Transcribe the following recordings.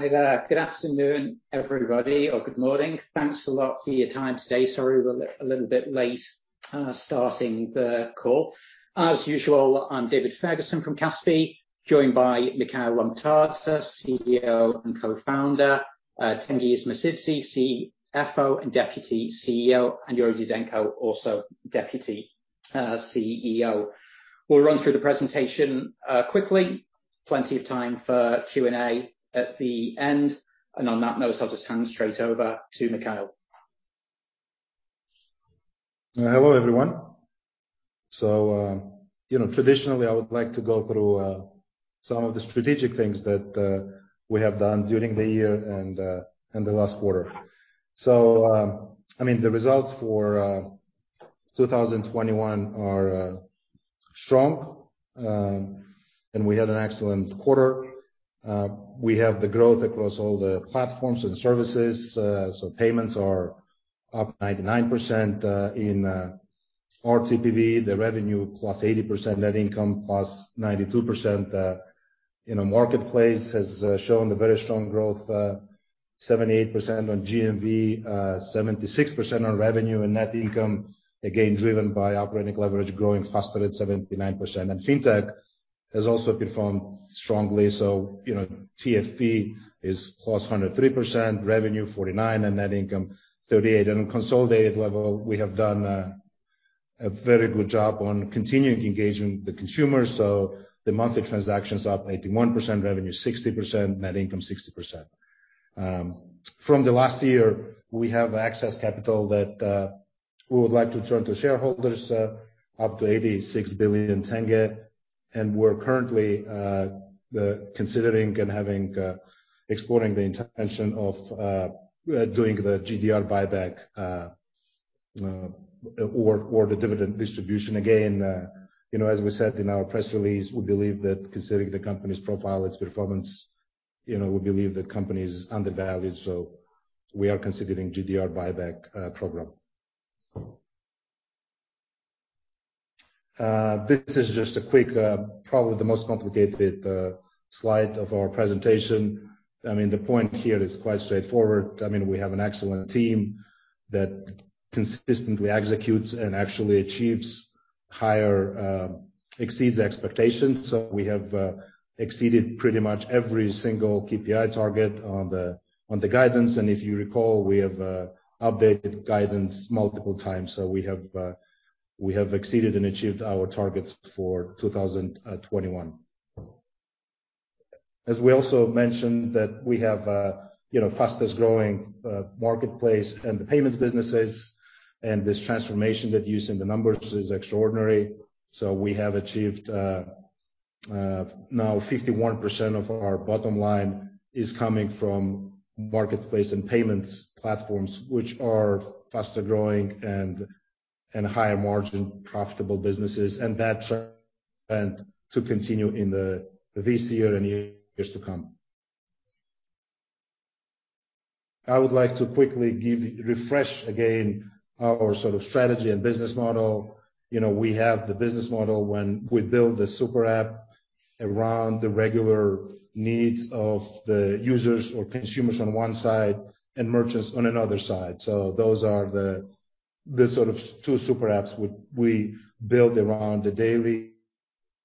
Hi there. Good afternoon, everybody, or good morning. Thanks a lot for your time today. Sorry we're a little bit late starting the call. As usual, I'm David Ferguson from Kaspi, joined by Mikheil, CEO and co-founder, Tengiz Mosidze, CFO and Deputy CEO, and Yuri Didenko, also Deputy CEO. We'll run through the presentation quickly. Plenty of time for Q&A at the end. On that note, I'll just hand straight over to Mikheil. Hello, everyone. You know, traditionally, I would like to go through some of the strategic things that we have done during the year and the last quarter. I mean, the results for 2021 are strong, and we had an excellent quarter. We have the growth across all the platforms and services. Payments are up 99% in RTPV, revenue +80%, net income +92%. You know, marketplace has shown the very strong growth, 78% on GMV, 76% on revenue and net income, again, driven by operating leverage growing faster at 79%. Fintech has also performed strongly. You know, TFV is +103%, revenue 49% and net income 38%. On a consolidated level, we have done a very good job on continuing to engage with the consumers. The monthly transactions up 81%, revenue 60%, net income 60%. From last year, we have excess capital that we would like to return to shareholders up to KZT 86 billion, and we're currently considering and exploring the intention of doing the GDR buyback or the dividend distribution. You know, as we said in our press release, we believe that considering the company's profile, its performance, you know, we believe the company is undervalued, so we are considering GDR buyback program. This is just a quick probably the most complicated slide of our presentation. I mean, the point here is quite straightforward. I mean, we have an excellent team that consistently executes and actually exceeds expectations. We have exceeded pretty much every single KPI target on the guidance. If you recall, we have updated guidance multiple times. We have exceeded and achieved our targets for 2021. As we also mentioned that we have fastest-growing marketplace and the payments businesses, and this transformation that's used in the numbers is extraordinary. We have achieved, now 51% of our bottom line is coming from marketplace and payments platforms, which are faster-growing and higher margin profitable businesses. That trend to continue in this year and years to come. I would like to quickly refresh again our sort of strategy and business model. You know, we have the business model when we build the super app around the regular needs of the users or consumers on one side and merchants on another side. Those are the sort of two super apps we build around the daily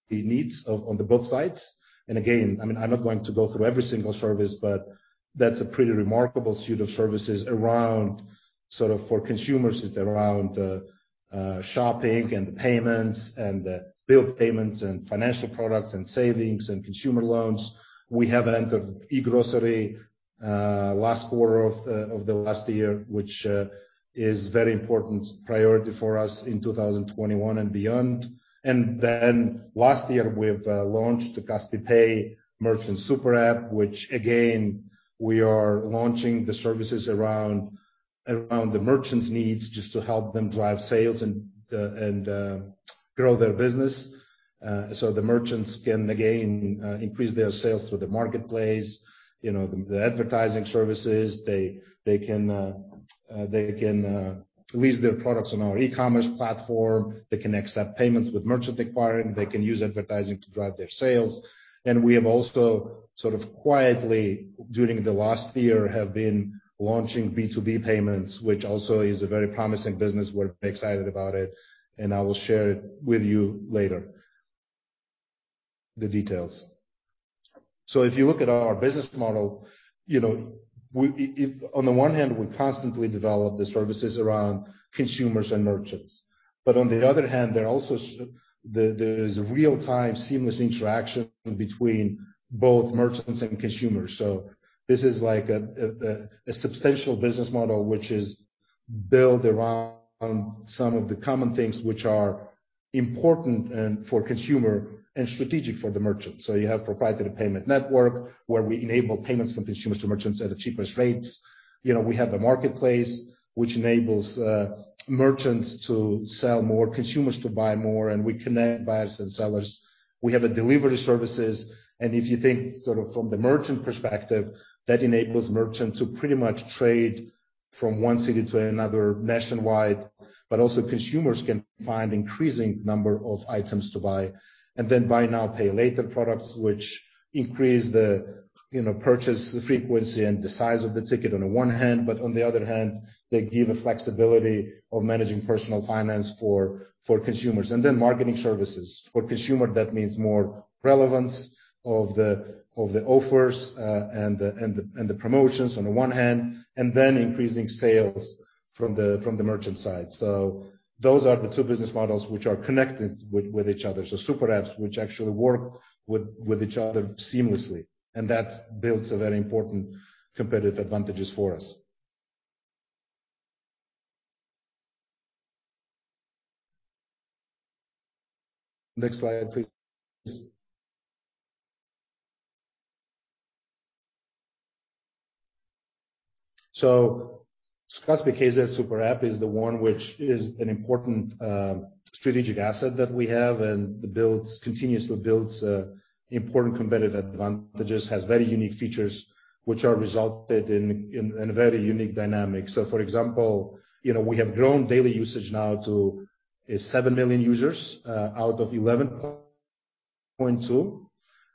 needs of on the both sides. Again, I mean, I'm not going to go through every single service, but that's a pretty remarkable suite of services around sort of for consumers, it's around, shopping and payments and bill payments and financial products and savings and consumer loans. We have entered e-Grocery, last quarter of the last year, which is very important priority for us in 2021 and beyond. Last year, we've launched the Kaspi Pay Super App, which again, we are launching the services around the merchants' needs just to help them drive sales and grow their business. The merchants can again increase their sales through the marketplace, you know, the advertising services. They can list their products on our eCommerce platform. They can accept payments with merchant acquiring. They can use advertising to drive their sales. We have also sort of quietly, during the last year, have been launching B2B payments, which also is a very promising business. We're very excited about it, and I will share it with you later, the details. If you look at our business model, you know, if on the one hand, we constantly develop the services around consumers and merchants, but on the other hand, there is a real-time seamless interaction between both merchants and consumers. This is like a substantial business model which is built around some of the common things which are important and for consumer and strategic for the merchant. You have proprietary payment network, where we enable payments from consumers to merchants at the cheapest rates. You know, we have a marketplace which enables merchants to sell more, consumers to buy more, and we connect buyers and sellers. We have a delivery services. If you think sort of from the merchant perspective, that enables merchant to pretty much trade from one city to another nationwide. Also consumers can find increasing number of items to buy. Then buy now, pay later products, which increase the, you know, purchase frequency and the size of the ticket on the one hand, but on the other hand, they give a flexibility of managing personal finance for consumers. Then marketing services. For consumer, that means more relevance of the offers and the promotions on the one hand, and then increasing sales from the merchant side. Those are the two business models which are connected with each other. Super apps which actually work with each other seamlessly, and that builds a very important competitive advantages for us. Next slide, please. Kaspi.kz Super App is the one which is an important strategic asset that we have, and it continuously builds important competitive advantages. Has very unique features which are resulted in a very unique dynamic. For example, you know, we have grown daily usage now to 7 million users out of 11.2,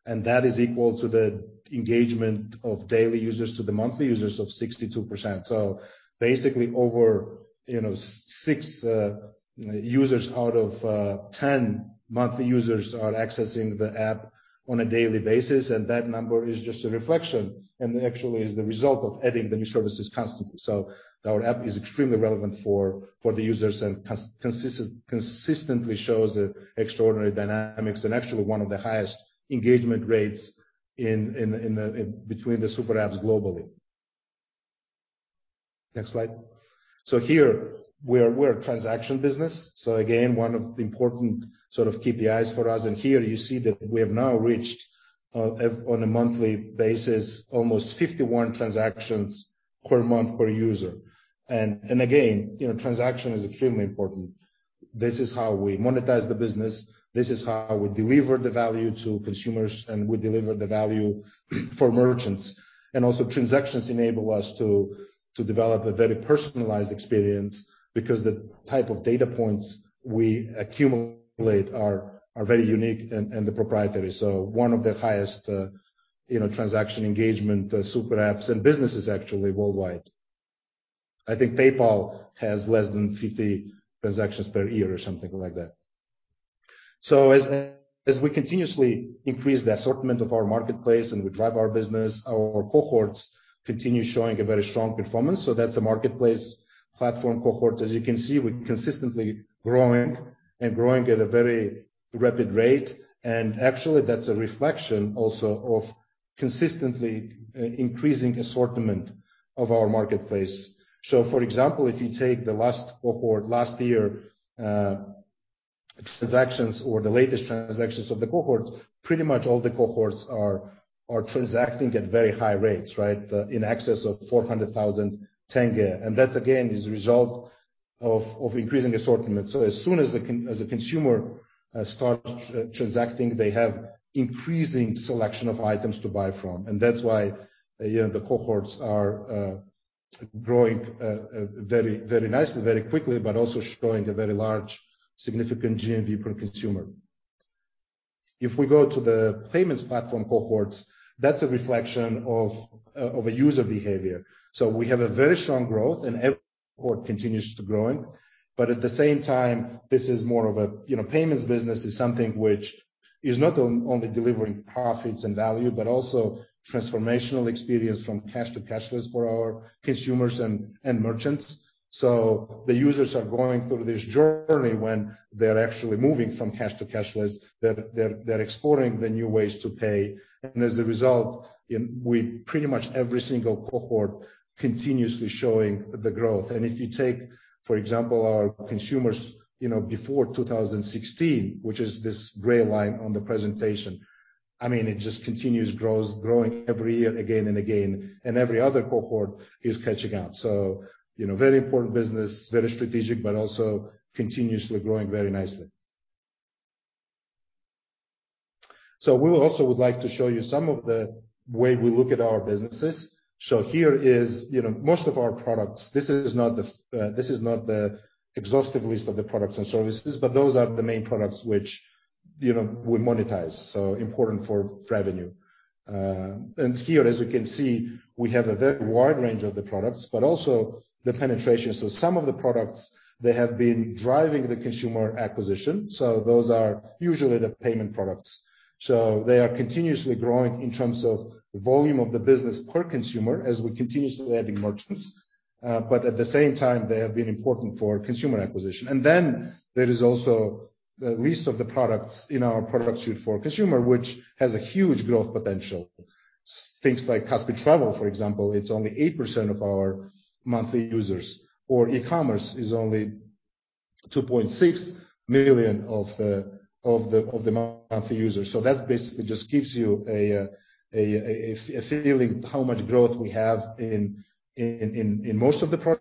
and that is equal to the engagement of daily users to the monthly users of 62%. Basically over, you know, six users out of 10 monthly users are accessing the app on a daily basis, and that number is just a reflection, and actually is the result of adding the new services constantly. Our app is extremely relevant for the users and consistently shows extraordinary dynamics and actually one of the highest engagement rates in between the super apps globally. Next slide. Here we are, we're a transaction business. Again, one of the important sort of KPIs for us, and here you see that we have now reached on a monthly basis almost 51 transactions per month per user. Again, you know, transaction is extremely important. This is how we monetize the business. This is how we deliver the value to consumers, and we deliver the value for merchants. Also transactions enable us to develop a very personalized experience because the type of data points we accumulate are very unique and they're proprietary. One of the highest, you know, transaction engagement super apps and businesses actually worldwide. I think PayPal has less than 50 transactions per year or something like that. As we continuously increase the assortment of our marketplace and we drive our business, our cohorts continue showing a very strong performance. That's a marketplace platform cohort. As you can see, we're consistently growing and growing at a very rapid rate. Actually that's a reflection also of consistently increasing assortment of our marketplace. For example, if you take the last cohort last year, transactions or the latest transactions of the cohorts, pretty much all the cohorts are transacting at very high rates, right? They are in excess of KZT 400,000. That again is a result of increasing assortment. As soon as a consumer starts transacting, they have increasing selection of items to buy from. That's why, you know, the cohorts are growing very nicely, very quickly, but also showing a very large significant GMV per consumer. If we go to the payments platform cohorts, that's a reflection of a user behavior. We have a very strong growth and every cohort continues to grow. At the same time, this is more of a, you know, payments business is something which is not only delivering profits and value, but also transformational experience from cash to cashless for our consumers and merchants. The users are going through this journey when they're actually moving from cash to cashless. They're exploring the new ways to pay. As a result, we pretty much every single cohort continuously showing the growth. If you take, for example, our consumers, you know, before 2016, which is this gray line on the presentation, I mean, it just continues growing every year again and again. Every other cohort is catching up. You know, very important business, very strategic, but also continuously growing very nicely. We will also would like to show you some of the way we look at our businesses. Here is, you know, most of our products. This is not the exhaustive list of the products and services, but those are the main products which, you know, we monetize, so important for revenue. Here, as you can see, we have a very wide range of the products, but also the penetration. Some of the products, they have been driving the consumer acquisition. Those are usually the payment products. They are continuously growing in terms of volume of the business per consumer as we continuously adding merchants. But at the same time, they have been important for consumer acquisition. Then there is also the list of the products in our product suite for consumer, which has a huge growth potential. Things like Kaspi Travel, for example, it's only 8% of our monthly users, or eCommerce is only 2.6 million of the monthly users. That basically just gives you a feeling how much growth we have in most of the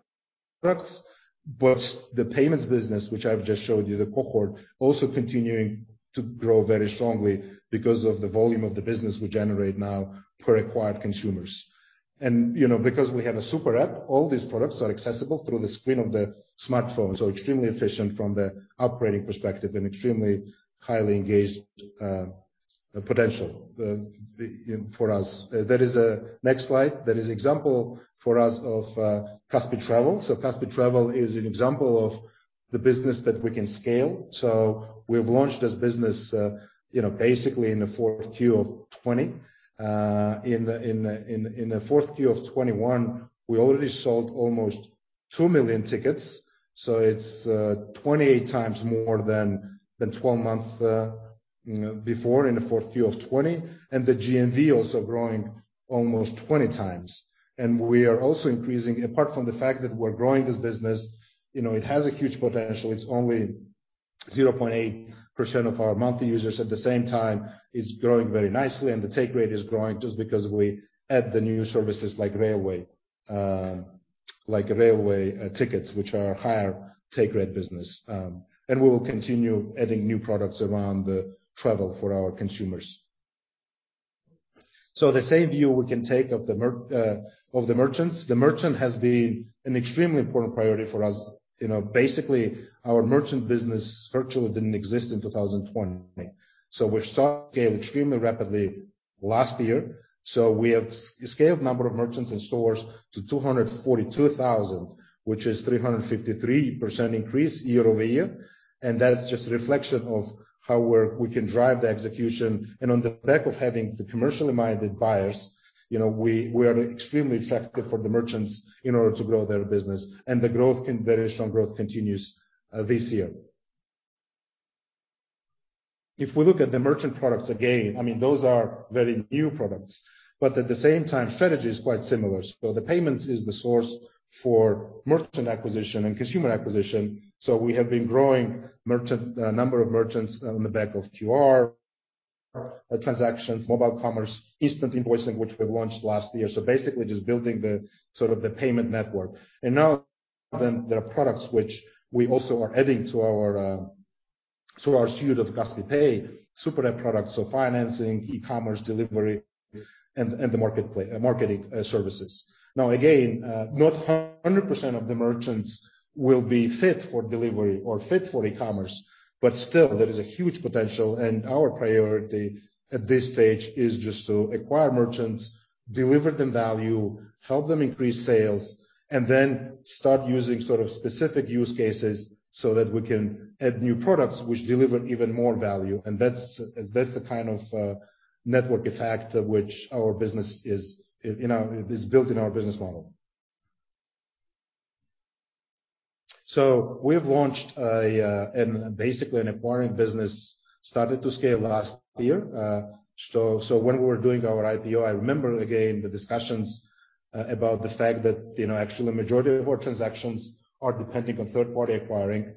products, but the payments business, which I've just showed you, the cohort, also continuing to grow very strongly because of the volume of the business we generate now per acquired consumers. You know, because we have a super app, all these products are accessible through the screen of the smartphone. Extremely efficient from the operating perspective and extremely highly engaged potential for us. There is a next slide that is example for us of Kaspi Travel. Kaspi Travel is an example of the business that we can scale. We've launched this business, you know, basically in the fourth Q of 2020. In the fourth Q of 2021, we already sold almost 2 million tickets, so it's 28x more than 12 months before in the fourth Q of 2020. The GMV also growing almost 20x. We are also increasing. Apart from the fact that we're growing this business, you know, it has a huge potential. It's only 0.8% of our monthly users. At the same time, it's growing very nicely, and the take rate is growing just because we add the new services like railway tickets, which are higher take rate business. We will continue adding new products around the travel for our consumers. The same view we can take of the merchants. The merchant has been an extremely important priority for us. You know, basically, our merchant business virtually didn't exist in 2020. We've started extremely rapidly last year. We have scaled number of merchants and stores to 242,000, which is 353% increase year-over-year. That's just a reflection of how we can drive the execution. On the back of having the commercially-minded buyers, you know, we are extremely attractive for the merchants in order to grow their business. Very strong growth continues this year. If we look at the merchant products again, I mean, those are very new products, but at the same time, strategy is quite similar. The payments is the source for merchant acquisition and consumer acquisition. We have been growing merchant number of merchants on the back of QR transactions, mobile commerce, instant invoicing, which we've launched last year. Basically just building sort of the payment network. Now then there are products which we also are adding to our suite of Kaspi Pay Super App products, so financing, e-commerce, delivery, and the marketplace marketing services. Now again, not 100% of the merchants will be fit for delivery or fit for e-commerce, but still there is a huge potential, and our priority at this stage is just to acquire merchants, deliver them value, help them increase sales, and then start using sort of specific use cases so that we can add new products which deliver even more value. That's the kind of network effect which our business is, you know, built in our business model. We've launched and basically an acquiring business, started to scale last year. When we were doing our IPO, I remember again the discussions about the fact that, you know, actually majority of our transactions are depending on third-party acquiring.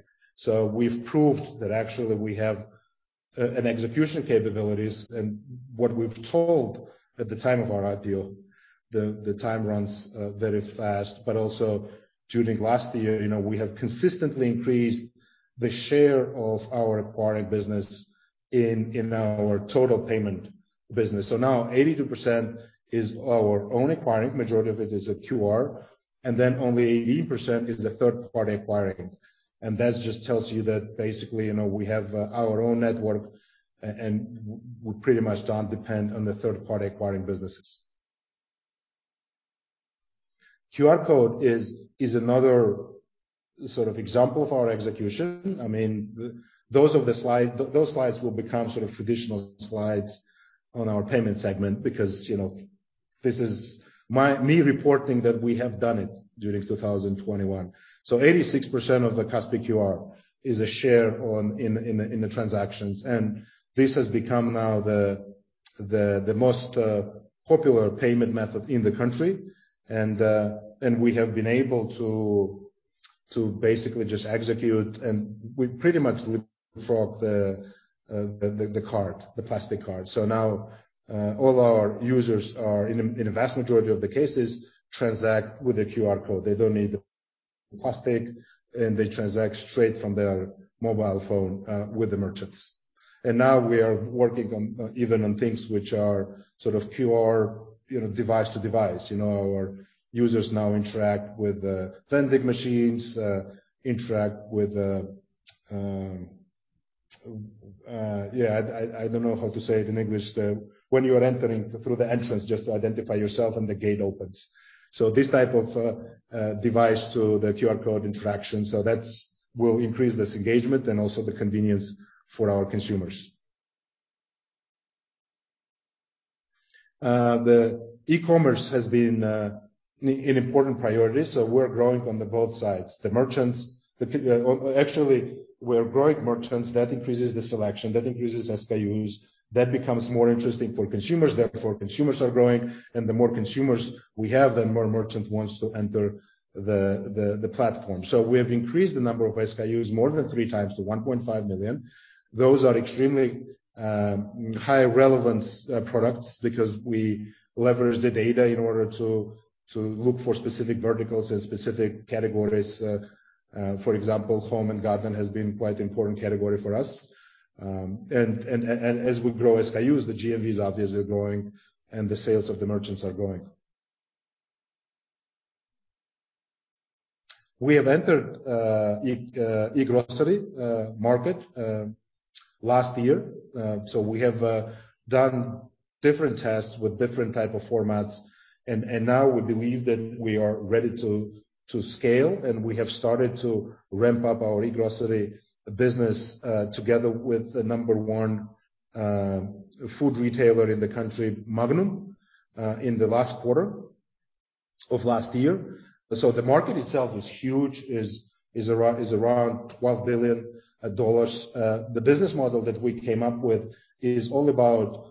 We've proved that actually we have an execution capabilities. What we told at the time of our IPO, the time runs very fast. Also during last year, you know, we have consistently increased the share of our acquiring business in our total payment business. Now 82% is our own acquiring. Majority of it is a QR, and then only 18% is a third-party acquiring. That just tells you that basically, you know, we have our own network and we pretty much don't depend on the third-party acquiring businesses. QR code is another sort of example for our execution. I mean, those are the slides. Those slides will become sort of traditional slides on our payment segment because, you know, this is me reporting that we have done it during 2021. 86% of the Kaspi QR is a share of the transactions, and this has become now the most popular payment method in the country. We have been able to basically just execute, and we pretty much live from the card, the plastic card. Now all our users are in a vast majority of the cases transact with a QR code. They don't need the plastic, and they transact straight from their mobile phone with the merchants. Now we are working on even on things which are sort of QR, you know, device to device. You know, our users now interact with vending machines. Yeah, I don't know how to say it in English. When you are entering through the entrance just to identify yourself and the gate opens. This type of device to the QR code interaction will increase this engagement and also the convenience for our consumers. The e-commerce has been an important priority, so we're growing on both sides. Actually, we're growing merchants. That increases the selection. That increases SKUs. That becomes more interesting for consumers, therefore consumers are growing. The more consumers we have, the more merchants want to enter the platform. We have increased the number of SKUs more than 3x to 1.5 million. Those are extremely high relevance products because we leverage the data in order to look for specific verticals and specific categories, for example, home and garden has been quite important category for us. As we grow SKUs, the GMV is obviously growing and the sales of the merchants are growing. We have entered e-Grocery market last year. We have done different tests with different type of formats. Now we believe that we are ready to scale, and we have started to ramp up our e-Grocery business together with the number one food retailer in the country, Magnum, in the last quarter of last year. The market itself is huge. It is around $12 billion. The business model that we came up with is all about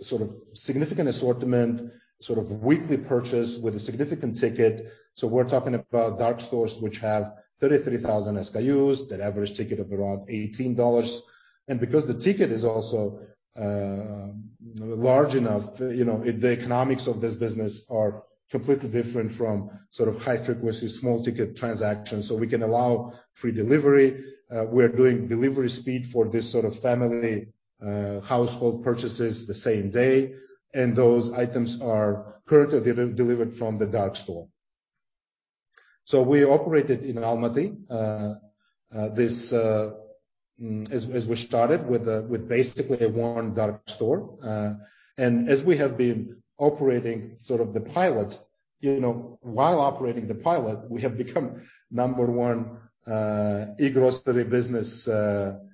sort of significant assortment, sort of weekly purchase with a significant ticket. We're talking about dark stores which have 33,000 SKUs, that average ticket of around $18. Because the ticket is also large enough, you know, the economics of this business are completely different from sort of high-frequency, small ticket transactions. We can allow free delivery. We're doing delivery speed for this sort of family household purchases the same day. Those items are currently delivered from the dark store. We operated in Almaty as we started with basically one dark store. As we have been operating sort of the pilot, you know, while operating the pilot, we have become number one e-Grocery business in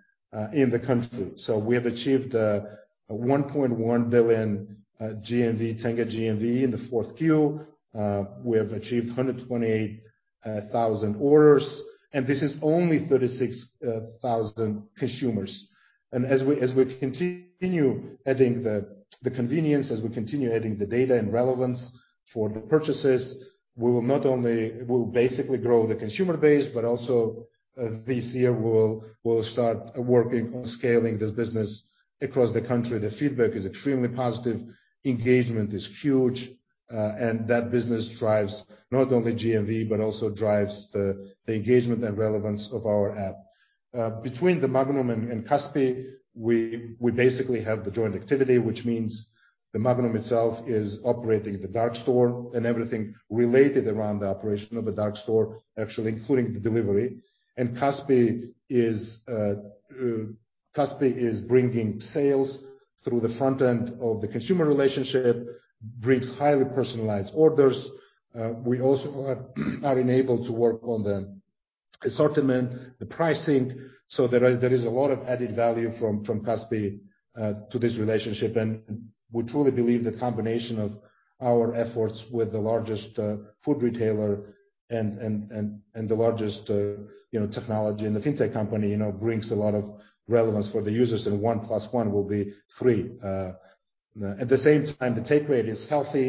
the country. We have achieved KZT 1.1 billion GMV in the fourth Q. We have achieved 128,000 orders, and this is only 36,000 consumers. As we continue adding the convenience, as we continue adding the data and relevance for the purchases, we'll basically grow the consumer base, but also this year we'll start working on scaling this business across the country. The feedback is extremely positive. Engagement is huge, and that business drives not only GMV, but also drives the engagement and relevance of our app. Between the Magnum and Kaspi, we basically have the joint activity, which means the Magnum itself is operating the dark store and everything related around the operation of the dark store, actually including the delivery. Kaspi is bringing sales through the front end of the consumer relationship, brings highly personalized orders. We also are enabled to work on the assortment, the pricing, so there is a lot of added value from Kaspi to this relationship. We truly believe the combination of our efforts with the largest food retailer and the largest technology and the fintech company, you know, brings a lot of relevance for the users, and 1+1 will be three. At the same time, the take rate is healthy.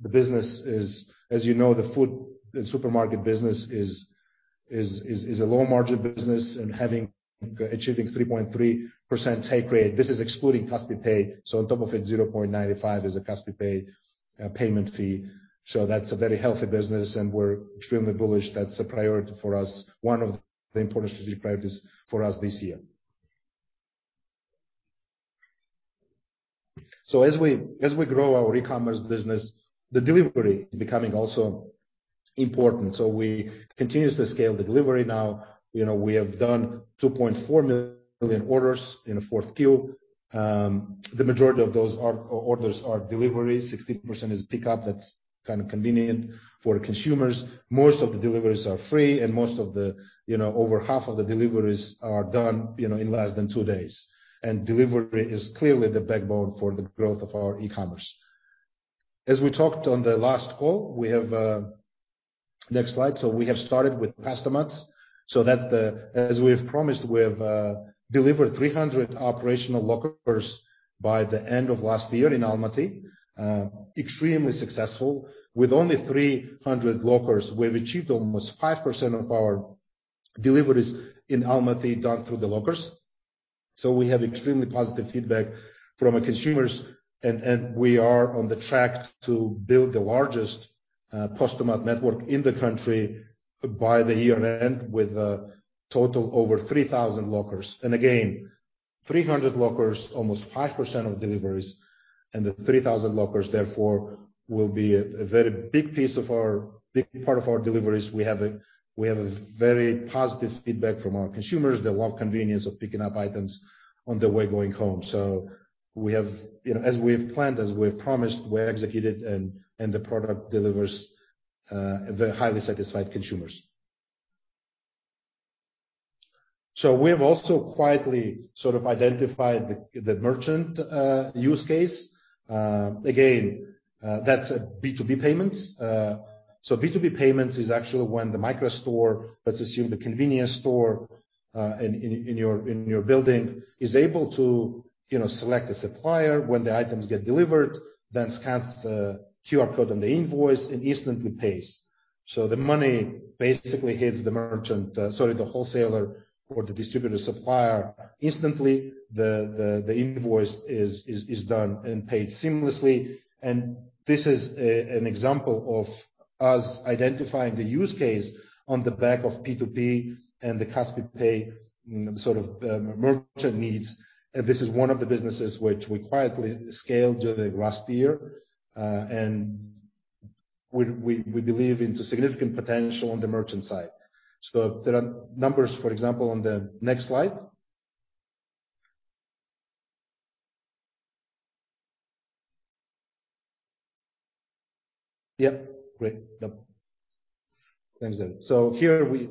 The business is... As you know, the food and supermarket business is a low margin business and having achieved 3.3% take rate. This is excluding Kaspi Pay. On top of it, 0.95 is a Kaspi Pay payment fee. That's a very healthy business, and we're extremely bullish. That's a priority for us. One of the important strategy priorities for us this year. As we grow our e-commerce business, the delivery is becoming also important. We continuously scale the delivery now. You know, we have done 2.4 million orders in the fourth Q. The majority of those are orders are deliveries. 60% is pickup. That's kind of convenient for the consumers. Most of the deliveries are free, and most of the, you know, over half of the deliveries are done, you know, in less than two days. Delivery is clearly the backbone for the growth of our e-commerce. As we talked on the last call, we have Next slide. We have started with postamats. As we have promised, we have delivered 300 operational lockers by the end of last year in Almaty. Extremely successful. With only 300 lockers, we've achieved almost 5% of our deliveries in Almaty done through the lockers. We have extremely positive feedback from our consumers, and we are on track to build the largest postamat network in the country by the year-end, with a total over 3,000 lockers. Again, 300 lockers, almost 5% of deliveries. The 3,000 lockers therefore will be a very big part of our deliveries. We have very positive feedback from our consumers. They love the convenience of picking up items on the way going home. You know, as we have planned, as we have promised, we have executed and the product delivers very highly satisfied consumers. We have also quietly sort of identified the merchant use case. Again, that's a B2B payments. B2B payments is actually when the micro store, let's assume the convenience store, in your building, is able to, you know, select a supplier when the items get delivered, then scans a QR code on the invoice and instantly pays. The money basically hits the merchant, sorry, the wholesaler or the distributor supplier instantly. The invoice is done and paid seamlessly. This is an example of us identifying the use case on the back of P2P and the Kaspi Pay, sort of, merchant needs. This is one of the businesses which we quietly scaled during last year. We believe it's a significant potential on the merchant side. There are numbers, for example, on the next slide. Thanks, David. Here we...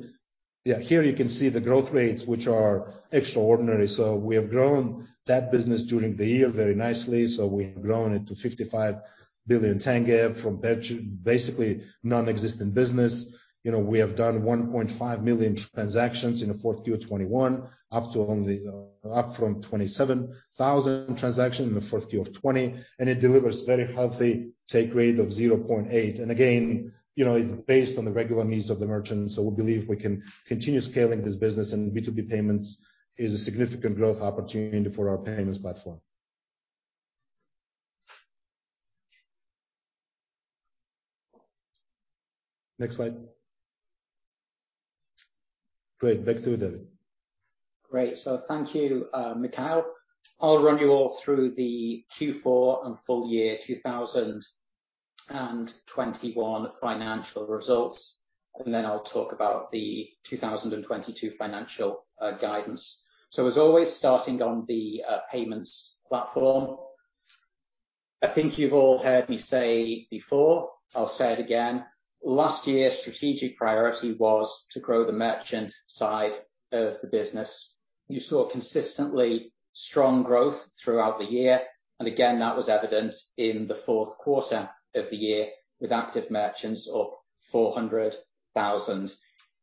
Yeah, here you can see the growth rates, which are extraordinary. We have grown that business during the year very nicely. We have grown it to KZT 55 billion from basically nonexistent business. You know, we have done 1.5 million transactions in the fourth Q of 2021, up from 27,000 transactions in the fourth Q of 2020. It delivers very healthy take rate of 0.8%. Again, you know, it's based on the regular needs of the merchant. We believe we can continue scaling this business, and B2B payments is a significant growth opportunity for our payments platform. Next slide. Great. Back to you, David. Great. Thank you, Mikheil. I'll run you all through the Q4 and full year 2021 financial results, and then I'll talk about the 2022 financial guidance. As always, starting on the payments platform. I think you've all heard me say before, I'll say it again, last year's strategic priority was to grow the merchant side of the business. You saw consistently strong growth throughout the year, and again, that was evident in the fourth quarter of the year with active merchants up 400,000.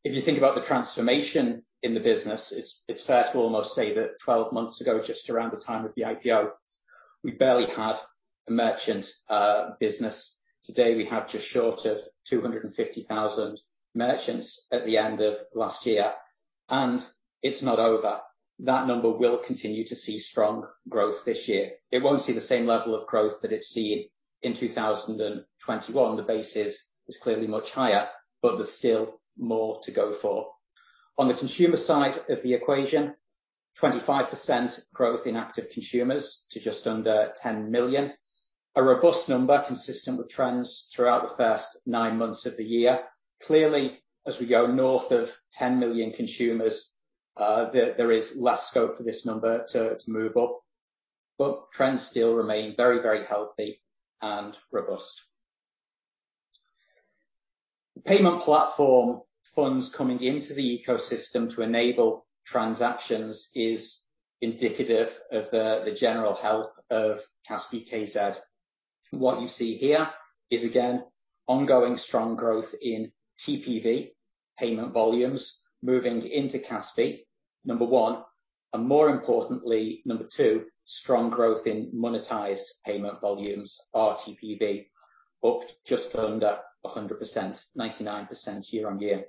If you think about the transformation in the business, it's fair to almost say that 12 months ago, just around the time of the IPO, we barely had a merchant business. Today, we have just short of 250,000 merchants at the end of last year, and it's not over. That number will continue to see strong growth this year. It won't see the same level of growth that it's seen in 2021. The base is clearly much higher, but there's still more to go for. On the consumer side of the equation, 25% growth in active consumers to just under 10 million. A robust number consistent with trends throughout the first nine months of the year. Clearly, as we go north of 10 million consumers, there is less scope for this number to move up. But trends still remain very, very healthy and robust. Payment platform funds coming into the ecosystem to enable transactions is indicative of the general health of Kaspi.kz. What you see here is, again, ongoing strong growth in TPV payment volumes moving into Kaspi, number one, and more importantly, number two, strong growth in monetized payment volumes, RTPV, up just under 100%, 99% year-over-year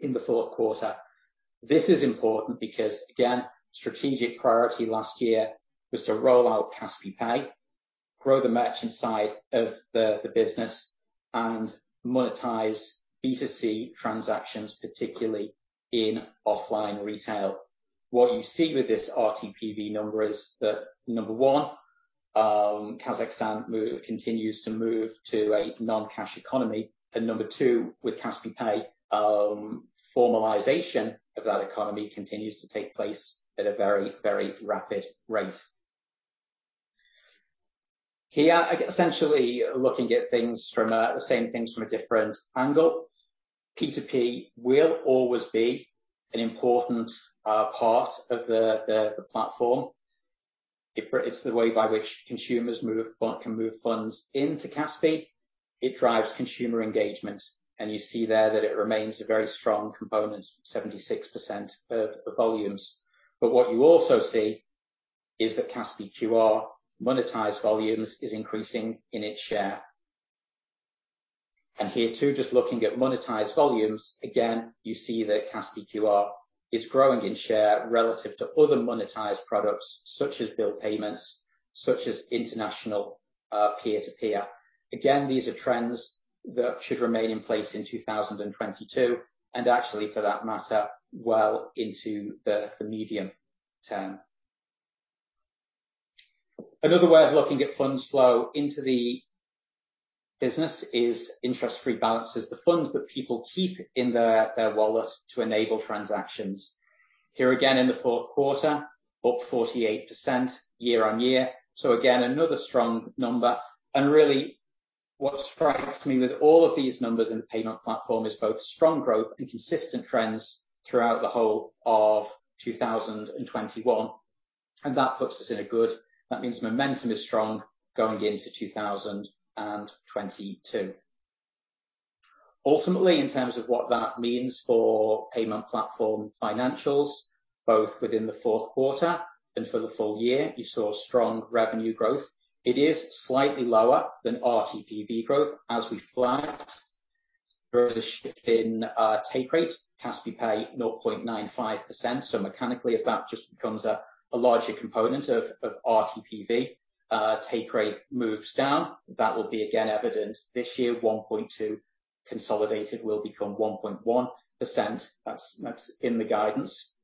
in the fourth quarter. This is important because, again, strategic priority last year was to roll out Kaspi Pay, grow the merchant side of the business, and monetize B2C transactions, particularly in offline retail. What you see with this RTPV number is that, number one, Kazakhstan continues to move to a non-cash economy. Number two, with Kaspi Pay, formalization of that economy continues to take place at a very, very rapid rate. Here, essentially looking at things from the same things from a different angle. P2P will always be an important part of the platform. It's the way by which consumers can move funds into Kaspi. It drives consumer engagement, and you see there that it remains a very strong component, 76% of volumes. What you also see is that Kaspi QR monetized volumes is increasing in its share. Here too, just looking at monetized volumes, again, you see that Kaspi QR is growing in share relative to other monetized products such as bill payments, such as international peer-to-peer. Again, these are trends that should remain in place in 2022, and actually for that matter, well into the medium term. Another way of looking at funds flow into the business is interest-free balances, the funds that people keep in their wallet to enable transactions. Here again in the fourth quarter, up 48% year-on-year. Again, another strong number. Really what strikes me with all of these numbers in the payment platform is both strong growth and consistent trends throughout the whole of 2021. That means momentum is strong going into 2022. Ultimately, in terms of what that means for payment platform financials. Both within the fourth quarter and for the full year, you saw strong revenue growth. It is slightly lower than RTPV growth as we flagged. There is a shift in take rates, Kaspi Pay 0.95%. So mechanically as that just becomes a larger component of RTPV, take rate moves down. That will be again evidenced this year, 1.2 consolidated will become 1.1%. That's in the guidance.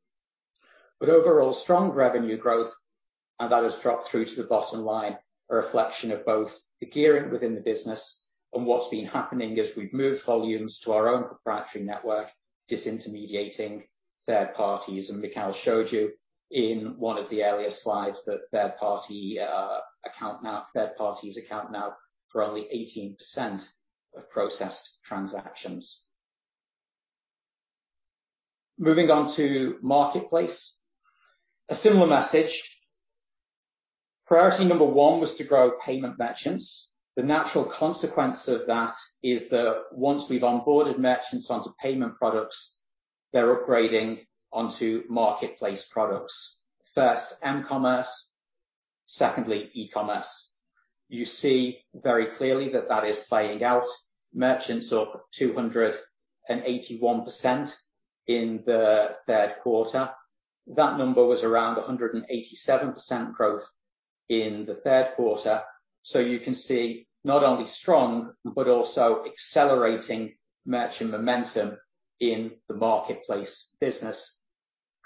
Overall strong revenue growth, and that has dropped through to the bottom line, a reflection of both the gearing within the business and what's been happening as we've moved volumes to our own proprietary network, disintermediating third parties. Mikheil showed you in one of the earlier slides that third parties account now for only 18% of processed transactions. Moving on to marketplace. A similar message. Priority number one was to grow payment merchants. The natural consequence of that is that once we've onboarded merchants onto payment products, they're upgrading onto marketplace products. First mCommerce, secondly, eCommerce. You see very clearly that that is playing out. Merchants up 281% in the third quarter. That number was around 187% growth in the third quarter. You can see not only strong but also accelerating merchant momentum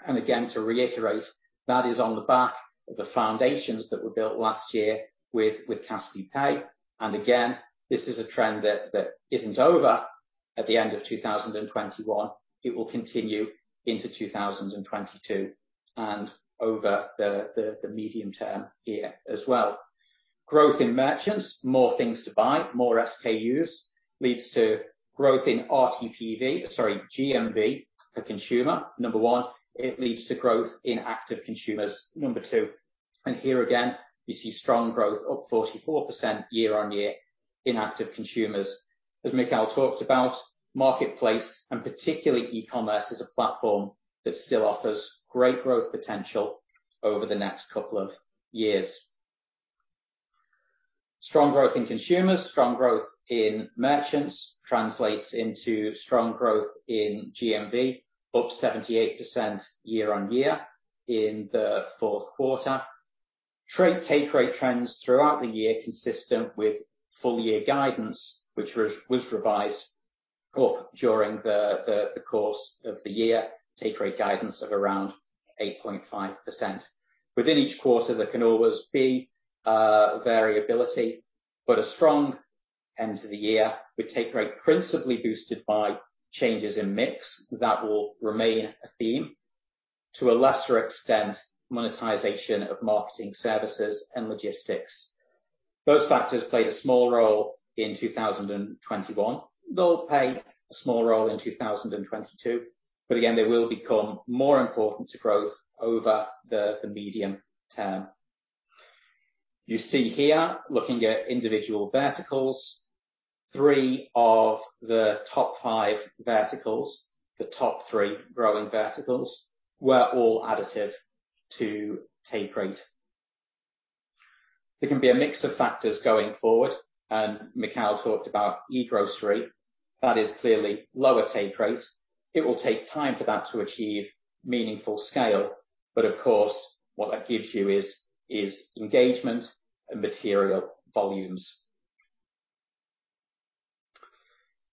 in the marketplace business. Again, to reiterate, that is on the back of the foundations that were built last year with Kaspi Pay. Again, this is a trend that isn't over at the end of 2021. It will continue into 2022 and over the medium term here as well. Growth in merchants, more things to buy, more SKUs, leads to growth in RTPV, sorry, GMV per consumer, number one. It leads to growth in active consumers, number two. Here again, you see strong growth up 44% year-on-year in active consumers. As Mikheil talked about, marketplace and particularly eCommerce is a platform that still offers great growth potential over the next couple of years. Strong growth in consumers, strong growth in merchants translates into strong growth in GMV, up 78% year-on-year in the fourth quarter. Take rate trends throughout the year consistent with full year guidance, which was revised up during the course of the year. Take rate guidance of around 8.5%. Within each quarter, there can always be variability, but a strong end to the year with take rate principally boosted by changes in mix that will remain a theme to a lesser extent, monetization of marketing services and logistics. Those factors played a small role in 2021. They'll play a small role in 2022, but again, they will become more important to growth over the medium term. You see here, looking at individual verticals, three of the top five verticals, the top three growing verticals were all additive to take rate. It can be a mix of factors going forward, and Mikheil talked about e-Grocery. That is clearly lower take rate. It will take time for that to achieve meaningful scale. But of course, what that gives you is engagement and material volumes.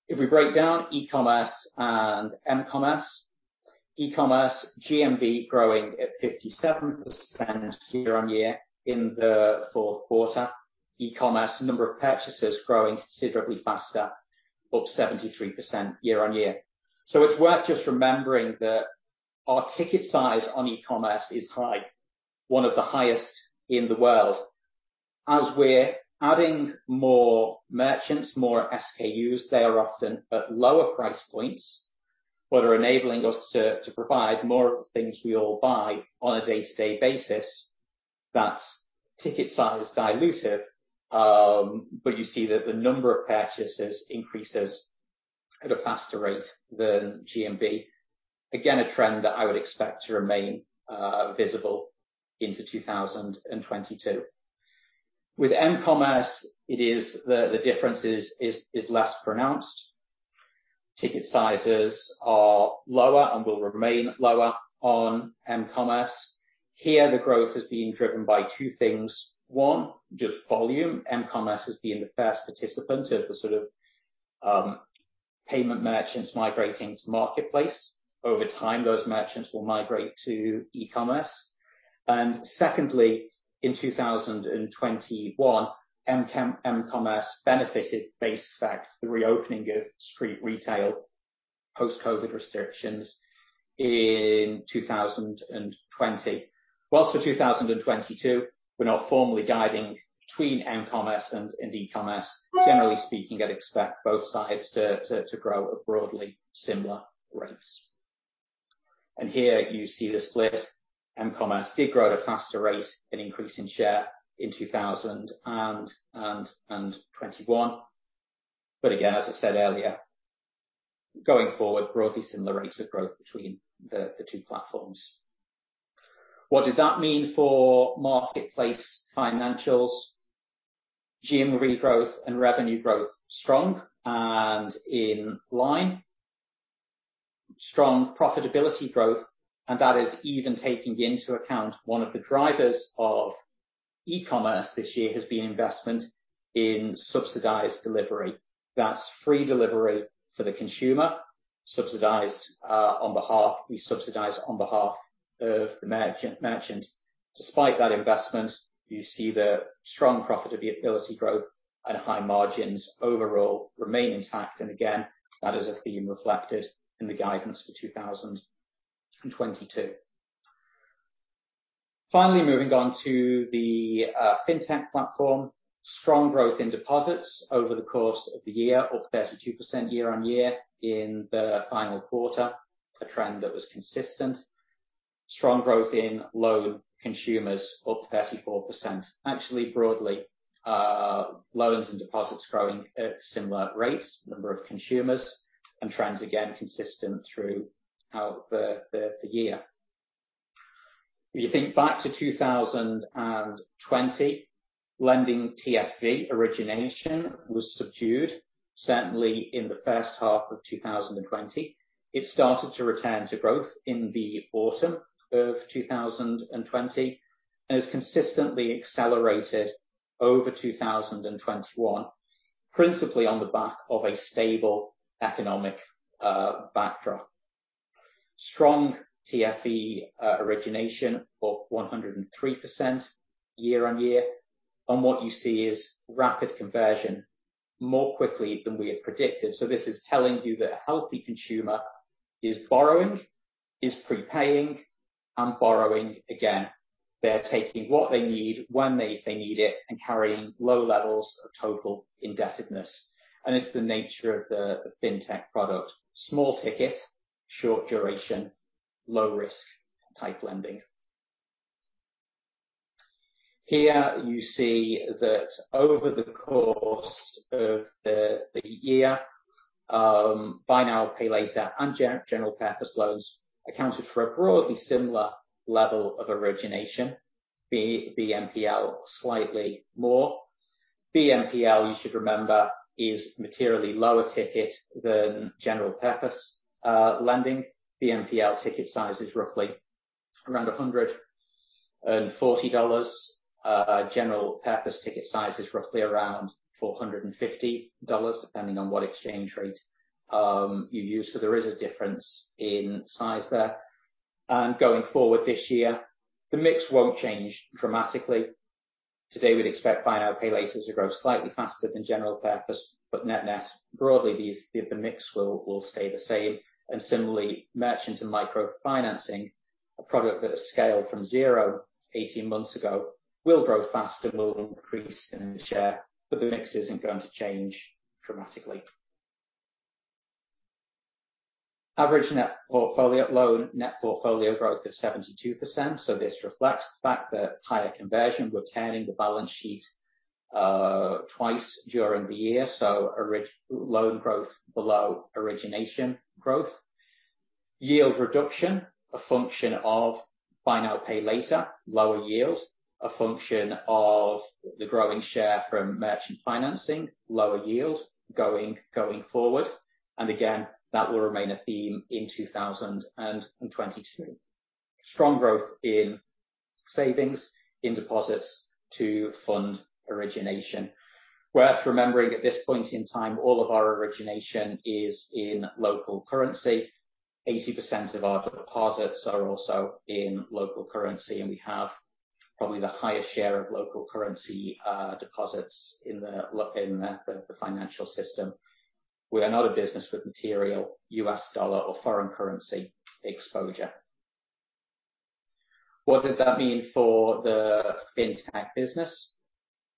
If we break down eCommerce and mCommerce, eCommerce GMV growing at 57% year-on-year in the fourth quarter. eCommerce number of purchases growing considerably faster, up 73% year-on-year. It's worth just remembering that our ticket size on eCommerce is high, one of the highest in the world. As we're adding more merchants, more SKUs, they are often at lower price points, but are enabling us to provide more of the things we all buy on a day-to-day basis. That's ticket size dilutive, but you see that the number of purchases increases at a faster rate than GMV. Again, a trend that I would expect to remain visible into 2022. With mCommerce, the difference is less pronounced. Ticket sizes are lower and will remain lower on mCommerce. Here the growth is being driven by two things. One, just volume. mCommerce is being the first participant of the sort of payment merchants migrating to marketplace. Over time, those merchants will migrate to eCommerce. Secondly, in 2021, mCommerce benefited from the base effect, the reopening of street retail post-COVID restrictions in 2020. While for 2022, we're not formally guiding between mCommerce and eCommerce, generally speaking, I'd expect both sides to grow at broadly similar rates. Here you see the split. mCommerce did grow at a faster rate, an increase in share in 2021. Again, as I said earlier, going forward, broadly similar rates of growth between the two platforms. What did that mean for marketplace financials? GMV growth and revenue growth strong and in line. Strong profitability growth, and that is even taking into account one of the drivers of eCommerce this year has been investment in subsidized delivery. That's free delivery for the consumer, subsidized, we subsidize on behalf of the merchants. Despite that investment, you see the strong profitability growth and high margins overall remain intact, and again, that is a theme reflected in the guidance for 2022. Finally, moving on to the fintech platform. Strong growth in deposits over the course of the year, up 32% year on year in the final quarter. A trend that was consistent. Strong growth in loan consumers, up 34%. Actually, broadly, loans and deposits growing at similar rates, number of consumers and trends, again, consistent throughout the year. If you think back to 2020, lending TFV origination was subdued, certainly in the first half of 2020. It started to return to growth in the autumn of 2020, and has consistently accelerated over 2021, principally on the back of a stable economic backdrop. Strong TFV origination, up 103% year-over-year. What you see is rapid conversion, more quickly than we had predicted. This is telling you the healthy consumer is borrowing, is prepaying and borrowing again. They're taking what they need when they need it and carrying low levels of total indebtedness. It's the nature of the fintech product. Small ticket, short duration, low risk type lending. Here you see that over the course of the year, buy now, pay later and general purpose loans accounted for a broadly similar level of origination, BNPL slightly more. BNPL, you should remember, is materially lower ticket than general purpose lending. BNPL ticket size is roughly around $140. General purpose ticket size is roughly around $450, depending on what exchange rate you use. There is a difference in size there. Going forward this year, the mix won't change dramatically. Today, we'd expect buy now, pay later to grow slightly faster than general purpose, but net-net, broadly these, the mix will stay the same. Similarly, merchants and microfinancing, a product that has scaled from zero 18 months ago, will grow faster, will increase in its share, but the mix isn't going to change dramatically. Average loan net portfolio growth is 72%, so this reflects the fact that higher conversion, we're turning the balance sheet twice during the year. Loan growth below origination growth. Yield reduction, a function of buy now, pay later. Lower yield, a function of the growing share from merchant financing. Lower yield going forward. Again, that will remain a theme in 2022. Strong growth in savings, in deposits to fund origination. Worth remembering at this point in time, all of our origination is in local currency. 80% of our deposits are also in local currency, and we have probably the highest share of local currency deposits in the financial system. We are not a business with material US dollar or foreign currency exposure. What did that mean for the fintech business?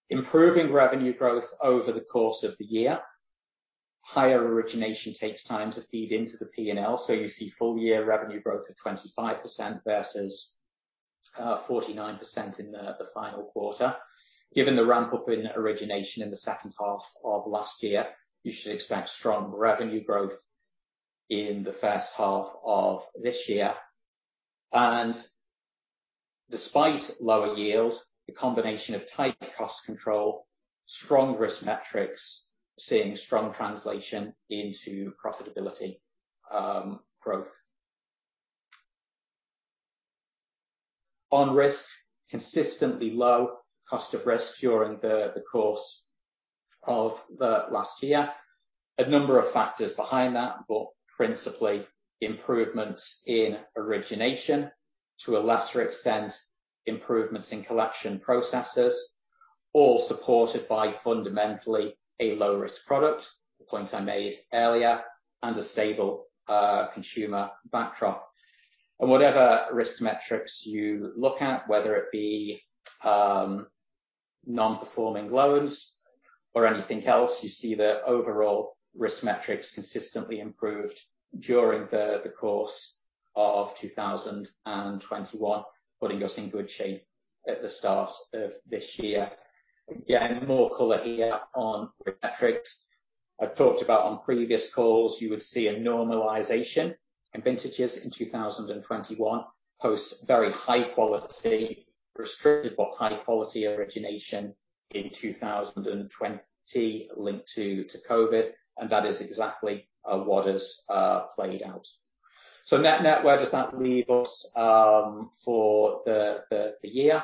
Improving revenue growth over the course of the year. Higher origination takes time to feed into the P&L, so you see full year revenue growth of 25% versus 49% in the final quarter. Given the ramp-up in origination in the second half of last year, you should expect strong revenue growth in the first half of this year. Despite lower yield, the combination of tight cost control, strong risk metrics, seeing strong translation into profitability, growth. On risk, consistently low cost of risk during the course of the last year. A number of factors behind that, but principally improvements in origination. To a lesser extent, improvements in collection processes, all supported by fundamentally a low risk product, the point I made earlier, and a stable, consumer backdrop. Whatever risk metrics you look at, whether it be, non-performing loans or anything else, you see the overall risk metrics consistently improved during the course of 2021, putting us in good shape at the start of this year. Again, more color here on metrics. I've talked about on previous calls, you would see a normalization in vintages in 2021, post very high quality, restricted but high quality origination in 2020 linked to COVID, and that is exactly what has played out. Net-net, where does that leave us for the year?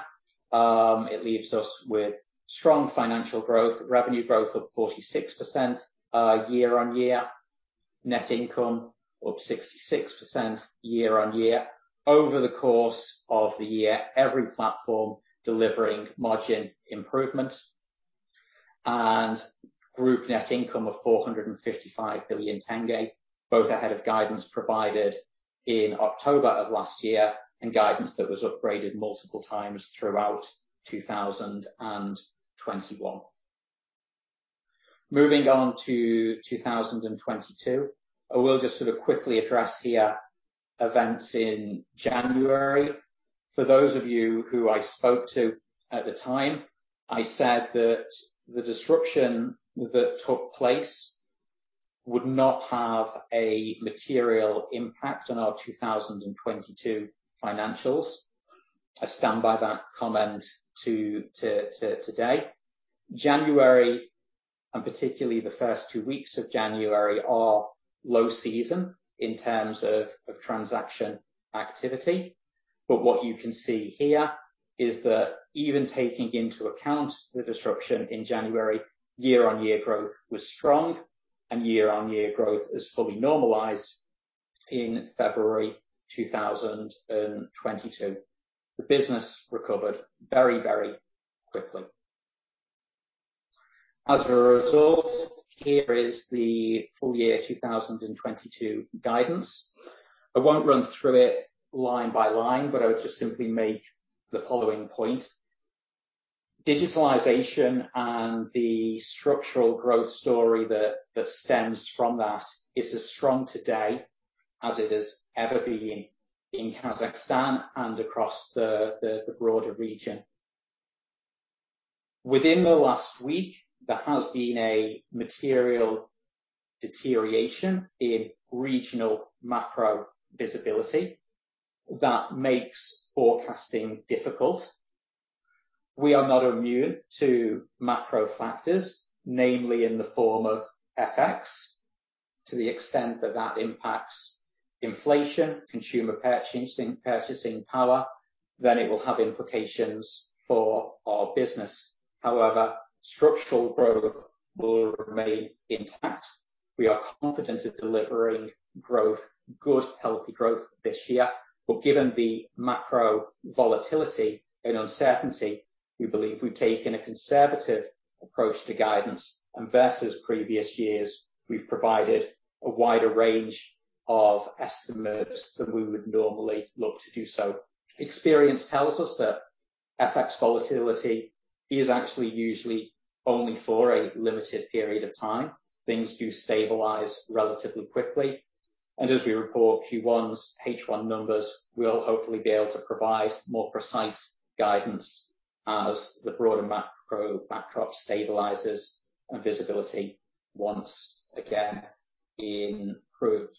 It leaves us with strong financial growth, revenue growth of 46% year-on-year, net income up 66% year-on-year. Over the course of the year, every platform delivering margin improvement. Group net income of KZT 455 billion, both ahead of guidance provided in October of last year and guidance that was upgraded multiple times throughout 2021. Moving on to 2022. I will just sort of quickly address here events in January. For those of you who I spoke to at the time, I said that the disruption that took place would not have a material impact on our 2022 financials. I stand by that comment to today. January, and particularly the first two weeks of January, are low season in terms of transaction activity. What you can see here is that even taking into account the disruption in January, year-on-year growth was strong and year-on-year growth is fully normalized in February 2022. The business recovered very, very quickly. As a result, here is the full year 2022 guidance. I won't run through it line by line, but I would just simply make the following point. Digitalization and the structural growth story that stems from that is as strong today as it has ever been in Kazakhstan and across the broader region. Within the last week, there has been a material deterioration in regional macro visibility that makes forecasting difficult. We are not immune to macro factors, namely in the form of FX. To the extent that that impacts inflation, consumer purchasing power, then it will have implications for our business. However, structural growth will remain intact. We are confident in delivering growth, good, healthy growth this year. Given the macro volatility and uncertainty, we believe we've taken a conservative approach to guidance, and versus previous years, we've provided a wider range of estimates than we would normally look to do so. Experience tells us that FX volatility is actually usually only for a limited period of time. Things do stabilize relatively quickly. As we report Q1's H1 numbers, we'll hopefully be able to provide more precise guidance as the broader macro backdrop stabilizes and visibility once again improves.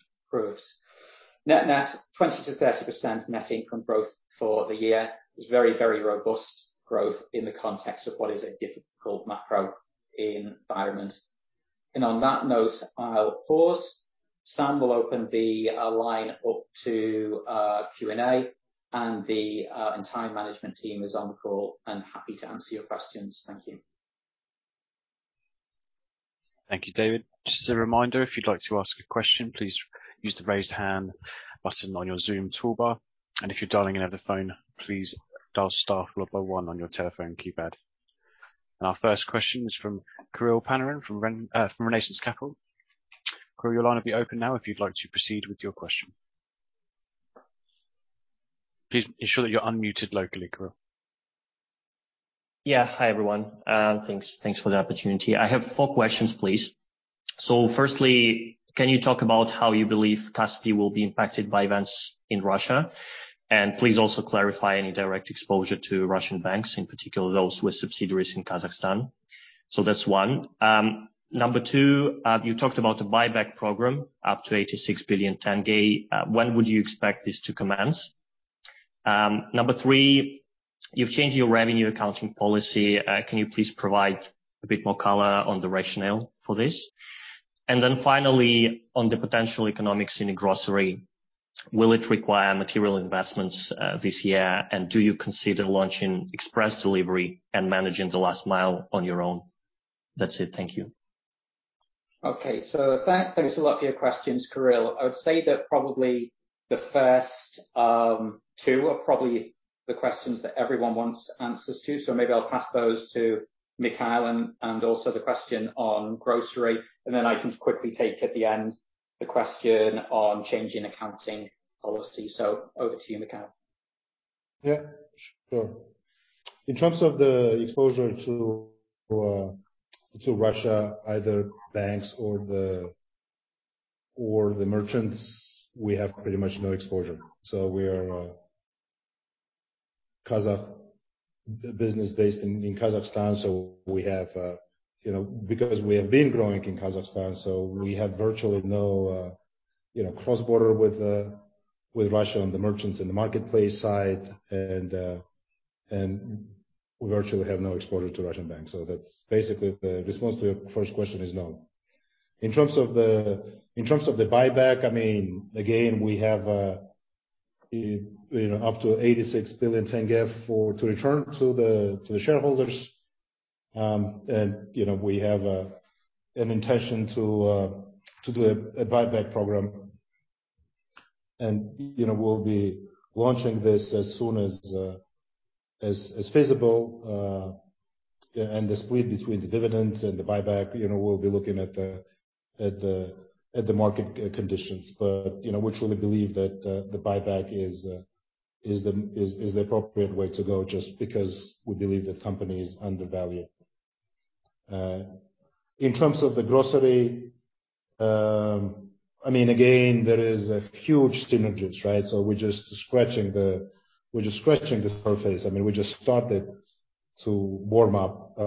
Net-net, 20%-30% net income growth for the year is very, very robust growth in the context of what is a difficult macro environment. On that note, I'll pause. Sam will open the line up to Q&A, and the entire management team is on call and happy to answer your questions. Thank you. Thank you, David. Just a reminder, if you'd like to ask a question, please use the Raise Hand button on your Zoom toolbar. If you're dialing in over the phone, please dial star four double one on your telephone keypad. Our first question is from Kirill Panarin from Ren, from Renaissance Capital. Kirill, your line will be open now if you'd like to proceed with your question. Please ensure that you're unmuted locally, Kirill. Yeah. Hi, everyone. Thanks for the opportunity. I have four questions, please. Firstly, can you talk about how you believe Kaspi will be impacted by events in Russia? And please also clarify any direct exposure to Russian banks, in particular, those with subsidiaries in Kazakhstan. That's one. Number two, you talked about the buyback program up to KZT 86 billion. When would you expect this to commence? Number three, you've changed your revenue accounting policy. Can you please provide a bit more color on the rationale for this? And then finally, on the potential economics in grocery, will it require material investments this year? And do you consider launching express delivery and managing the last mile on your own? That's it. Thank you. Okay. Thanks a lot for your questions, Kirill. I would say that probably the first two are probably the questions that everyone wants answers to. Maybe I'll pass those to Mikheil, and also the question on grocery. Then I can quickly take at the end the question on changing accounting policy. Over to you, Mikheil. Yeah, sure. In terms of the exposure to Russia, either banks or the, the merchants, we have pretty much no exposure. We are a Kazakh business based in Kazakhstan, you know, because we have been growing in Kazakhstan, so we have virtually no, you know, cross-border with Russia and the merchants in the marketplace side. We virtually have no exposure to Russian banks. That's basically the response to your first question is no. In terms of the buyback, I mean, again, we have, you know, up to KZT 86 billion to return to the shareholders. You know, we have an intention to do a buyback program. You know, we'll be launching this as soon as feasible. The split between the dividends and the buyback, you know, we'll be looking at the market conditions. You know, we truly believe that the buyback is the appropriate way to go just because we believe the company is undervalued. In terms of the grocery, I mean, again, there is a huge synergies, right? We're just scratching the surface. I mean, we just started to warm up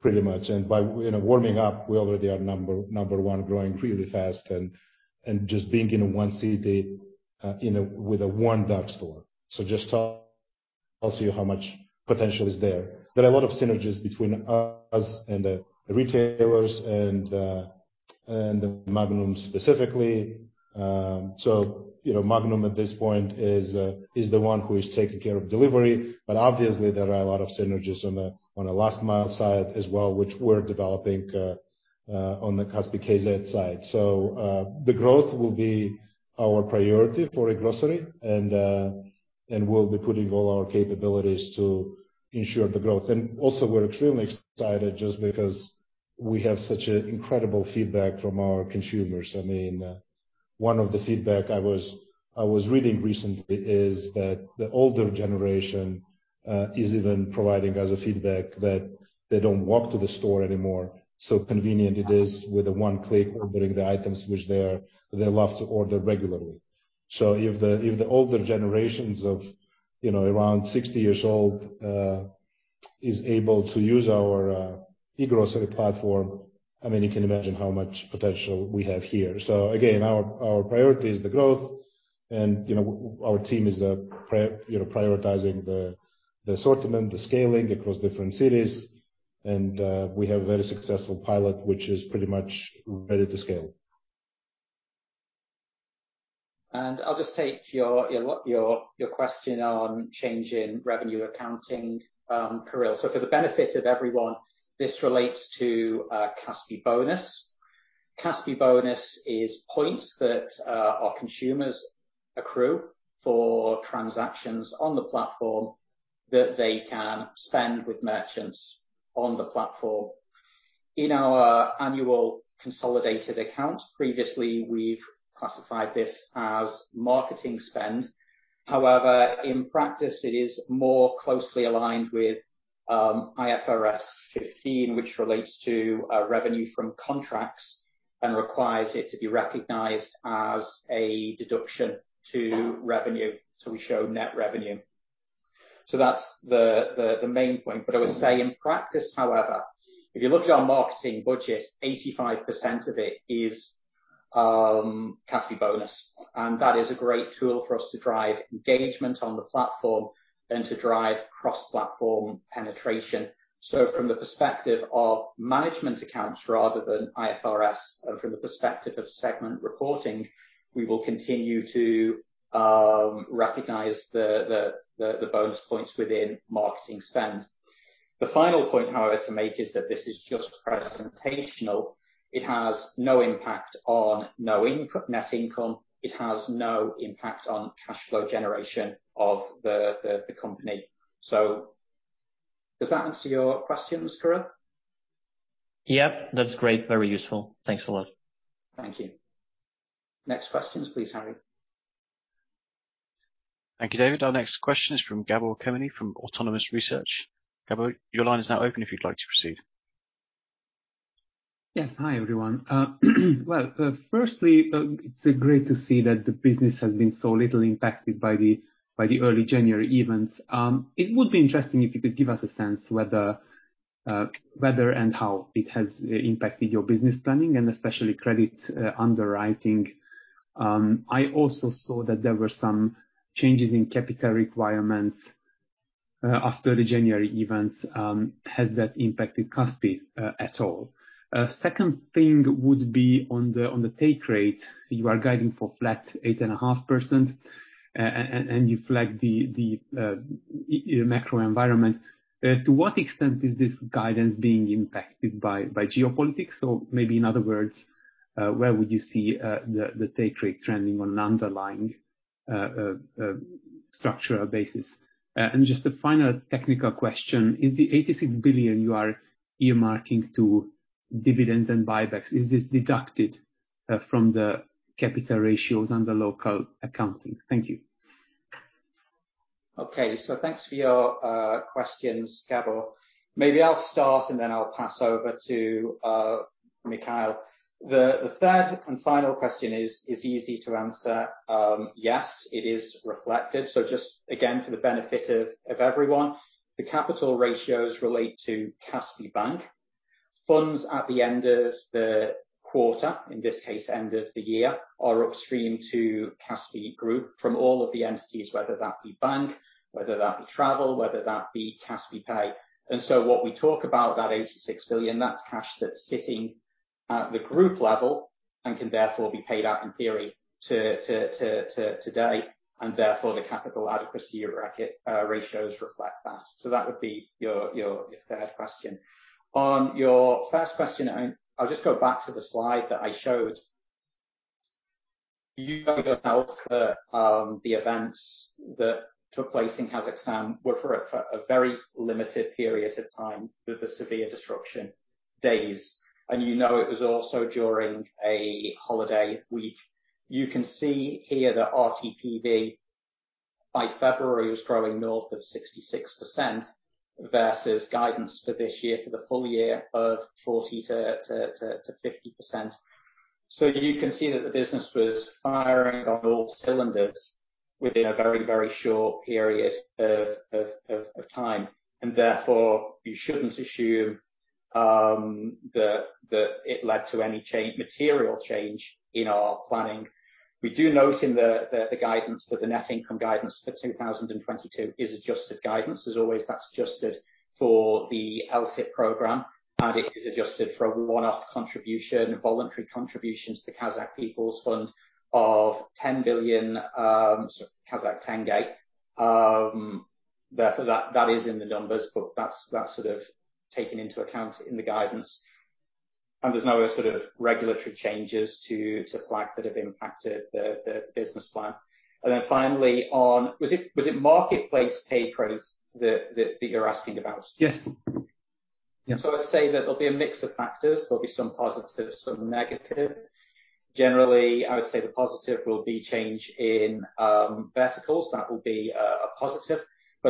pretty much. By, you know, warming up, we already are number one, growing really fast and just being in one city with one dark store. It just tells you how much potential is there. There are a lot of synergies between us and the retailers and Magnum specifically. You know, Magnum at this point is the one who is taking care of delivery. Obviously there are a lot of synergies on the last mile side as well, which we're developing on the Kaspi.kz side. The growth will be our priority for e-Grocery and we'll be putting all our capabilities to ensure the growth. Also we're extremely excited just because we have such an incredible feedback from our consumers. I mean, one of the feedback I was reading recently is that the older generation is even providing us a feedback that they don't walk to the store anymore. So convenient it is with a one-click ordering the items which they love to order regularly. If the older generations of, you know, around 60 years old is able to use our e-Grocery platform, I mean, you can imagine how much potential we have here. Again, our priority is the growth and, you know, our team is prioritizing the assortment, the scaling across different cities. We have a very successful pilot, which is pretty much ready to scale. I'll just take your question on change in revenue accounting, Kirill. For the benefit of everyone, this relates to Kaspi Bonus. Kaspi Bonus is points that our consumers accrue for transactions on the platform that they can spend with merchants on the platform. In our annual consolidated accounts, previously, we've classified this as marketing spend. However, in practice, it is more closely aligned with IFRS 15, which relates to revenue from contracts and requires it to be recognized as a deduction to revenue. We show net revenue. That's the main point. But I would say in practice, however, if you look at our marketing budget, 85% of it is Kaspi Bonus, and that is a great tool for us to drive engagement on the platform and to drive cross-platform penetration. From the perspective of management accounts rather than IFRS, from the perspective of segment reporting, we will continue to recognize the bonus points within marketing spend. The final point, however, to make is that this is just presentational. It has no impact on net income. It has no impact on cash flow generation of the company. Does that answer your questions, Kirill? Yep, that's great. Very useful. Thanks a lot. Thank you. Next questions, please, Harry. Thank you, David. Our next question is from Gabor Kemeny from Autonomous Research. Gabor, your line is now open if you'd like to proceed. Yes. Hi, everyone. Well, firstly, it's great to see that the business has been so little impacted by the early January events. It would be interesting if you could give us a sense whether and how it has impacted your business planning and especially credit underwriting. I also saw that there were some changes in capital requirements after the January events. Has that impacted Kaspi at all? Second thing would be on the take rate. You are guiding for flat 8.5%, and you flag your macro environment. To what extent is this guidance being impacted by geopolitics? Or maybe in other words, where would you see the take rate trending on underlying structural basis? Just a final technical question, is the KZT 86 billion you are earmarking to dividends and buybacks deducted from the capital ratios under local accounting? Thank you. Okay. Thanks for your questions, Gabor. Maybe I'll start and then I'll pass over to Mikheil. The third and final question is easy to answer. Yes, it is reflective. Just again, for the benefit of everyone, the capital ratios relate to Kaspi Bank. Funds at the end of the quarter, in this case, end of the year, are upstream to Kaspi Group from all of the entities, whether that be bank, whether that be travel, whether that be Kaspi Pay. What we talk about that KZT 86 billion, that's cash that's sitting at the group level and can therefore be paid out in theory to date, and therefore the capital adequacy ratios reflect that. That would be your third question. On your first question, I'll just go back to the slide that I showed. You know that the events that took place in Kazakhstan were for a very limited period of time with the severe disruption days. You know it was also during a holiday week. You can see here that RTPV by February was growing north of 66% versus guidance for this year for the full year of 40%-50%. You can see that the business was firing on all cylinders within a very short period of time. Therefore, you shouldn't assume that it led to any material change in our planning. We do note in the guidance that the net income guidance for 2022 is adjusted guidance. As always, that's adjusted for the LTIP program, and it is adjusted for a one-off contribution, voluntary contributions to Kazakhstan Khalkyna Fund of KZT 10 billion, sorry, Kazakh tenge. Therefore, that is in the numbers, but that's sort of taken into account in the guidance. There's no other sort of regulatory changes to flag that have impacted the business plan. Finally, was it marketplace take rates that you're asking about? Yes. Yes. I'd say that there'll be a mix of factors. There'll be some positive, some negative. Generally, I would say the positive will be change in verticals. That will be a positive.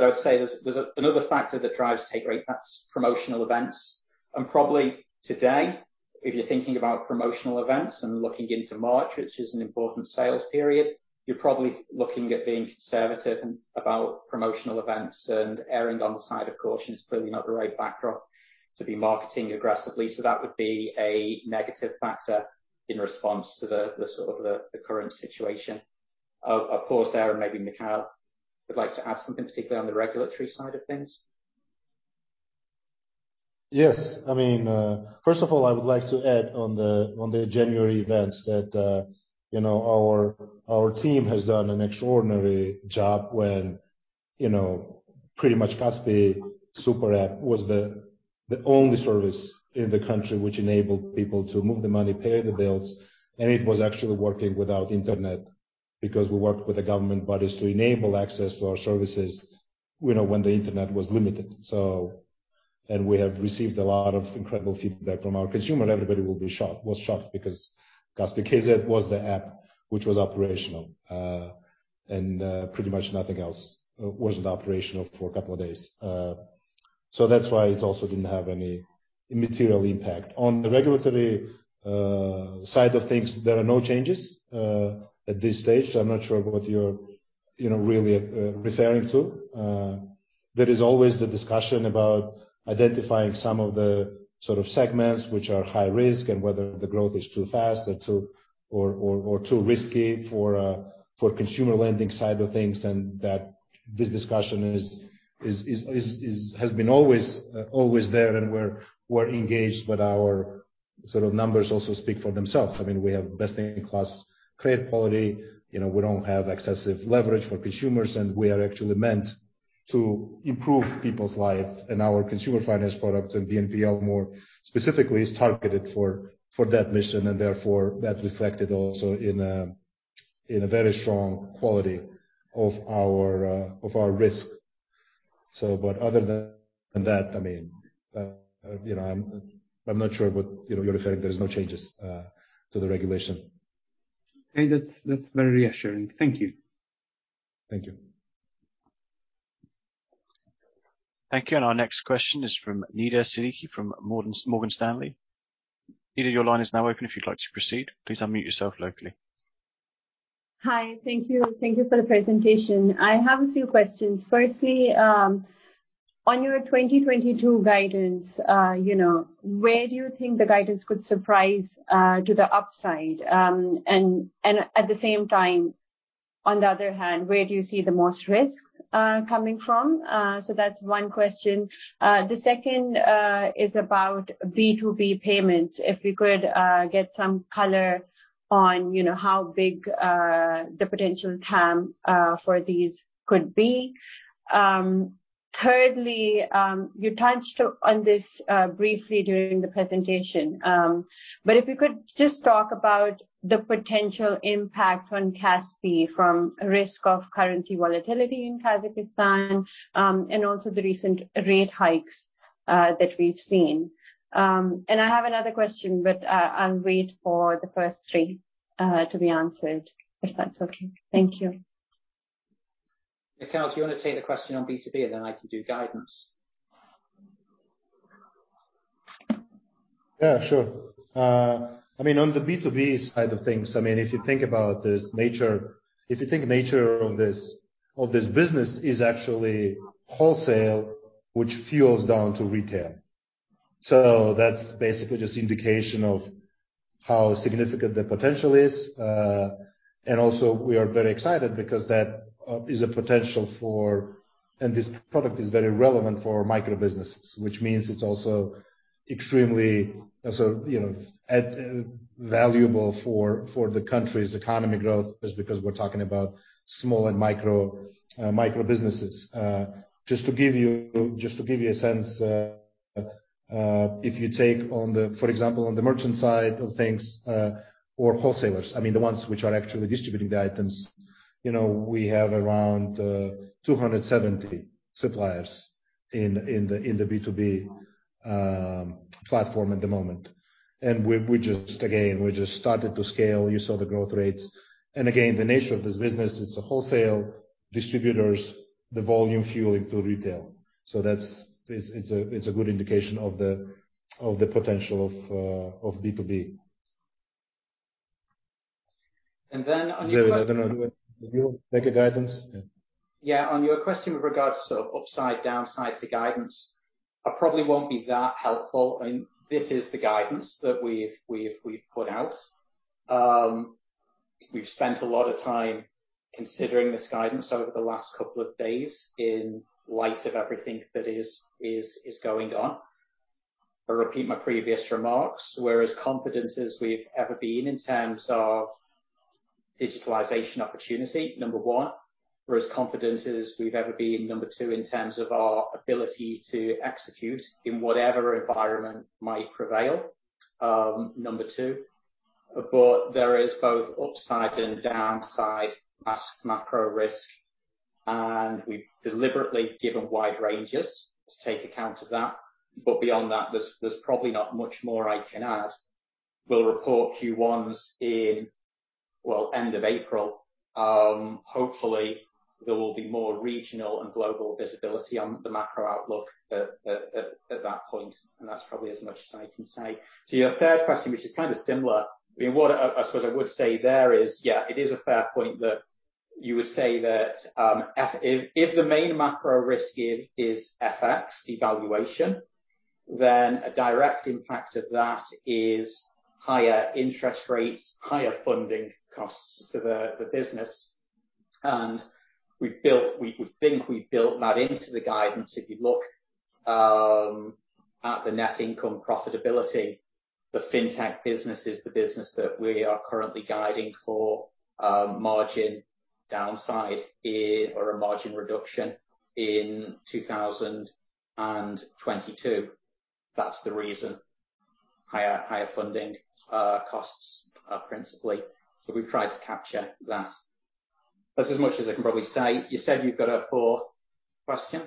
I would say there's another factor that drives take rate, that's promotional events. Probably today, if you're thinking about promotional events and looking into March, which is an important sales period, you're probably looking at being conservative about promotional events and erring on the side of caution. It's clearly not the right backdrop to be marketing aggressively. That would be a negative factor in response to the current situation. I'll pause there, and maybe Mikheil would like to add something, particularly on the regulatory side of things. Yes. I mean, first of all, I would like to add on the January events that, you know, our team has done an extraordinary job when, you know, pretty much Kaspi.kz Super App was the only service in the country which enabled people to move the money, pay the bills, and it was actually working without internet because we worked with the government bodies to enable access to our services, you know, when the internet was limited. We have received a lot of incredible feedback from our consumer. Everybody was shocked because Kaspi.kz was the app which was operational. Pretty much nothing else wasn't operational for a couple of days. That's why it also didn't have any immaterial impact. On the regulatory side of things, there are no changes at this stage. I'm not sure what you're, you know, really referring to. There is always the discussion about identifying some of the sort of segments which are high risk and whether the growth is too fast or too risky for consumer lending side of things. That this discussion has been always there and we're engaged, but our sort of numbers also speak for themselves. I mean, we have best-in-class credit quality. You know, we don't have excessive leverage for consumers, and we are actually meant to improve people's life. Our consumer finance products and BNPL more specifically is targeted for that mission, and therefore that reflected also in a very strong quality of our risk. But other than that, I mean, you know, I'm not sure what, you know, you're referring. There's no changes to the regulation. Okay. That's very reassuring. Thank you. Thank you. Thank you. Our next question is from Nida Iqbal from Morgan Stanley. Nida, your line is now open if you'd like to proceed. Please unmute yourself locally. Hi. Thank you. Thank you for the presentation. I have a few questions. Firstly, on your 2022 guidance, you know, where do you think the guidance could surprise to the upside? At the same time, on the other hand, where do you see the most risks coming from? That's one question. The second is about B2B payments. If we could get some color on, you know, how big the potential TAM for these could be. Thirdly, you touched on this briefly during the presentation, but if you could just talk about the potential impact on Kaspi from risk of currency volatility in Kazakhstan, and also the recent rate hikes that we've seen. I have another question, but I'll wait for the first three to be answered, if that's okay. Thank you. Mikheil, do you wanna take the question on B2B, and then I can do guidance? Yeah, sure. I mean, on the B2B side of things, I mean, if you think about the nature of this business is actually wholesale, which flows down to retail. That's basically just an indication of how significant the potential is. Also we are very excited because that is a potential for and this product is very relevant for micro businesses, which means it's also extremely, sort of, you know, valuable for the country's economic growth, just because we're talking about small and micro businesses. Just to give you a sense, if you take on the For example, on the merchant side of things, or wholesalers, I mean, the ones which are actually distributing the items, you know, we have around 270 suppliers in the B2B platform at the moment. We just started to scale. You saw the growth rates. Again, the nature of this business, it's a wholesale distributors, the volume fueling to retail. That's a good indication of the potential of B2B. On your- David, I don't know. You take the guidance? Yeah. Yeah. On your question with regards to sort of upside, downside to guidance, I probably won't be that helpful. I mean, this is the guidance that we've put out. We've spent a lot of time considering this guidance over the last couple of days in light of everything that is going on. I repeat my previous remarks. We're as confident as we've ever been in terms of digitalization opportunity, number one. We're as confident as we've ever been, number two, in terms of our ability to execute in whatever environment might prevail, number two. There is both upside and downside as macro risk, and we've deliberately given wide ranges to take account of that. Beyond that, there's probably not much more I can add. We'll report Q1s in, well, end of April. Hopefully there will be more regional and global visibility on the macro outlook at that point, and that's probably as much as I can say. To your third question, which is kind of similar, I mean, what I suppose I would say there is, yeah, it is a fair point that you would say that, if the main macro risk here is FX devaluation, then a direct impact of that is higher interest rates, higher funding costs for the business. We would think we've built that into the guidance. If you look at the net income profitability, the fintech business is the business that we are currently guiding for margin downside or a margin reduction in 2022. That's the reason. Higher funding costs, principally. We've tried to capture that. That's as much as I can probably say. You said you've got a fourth question?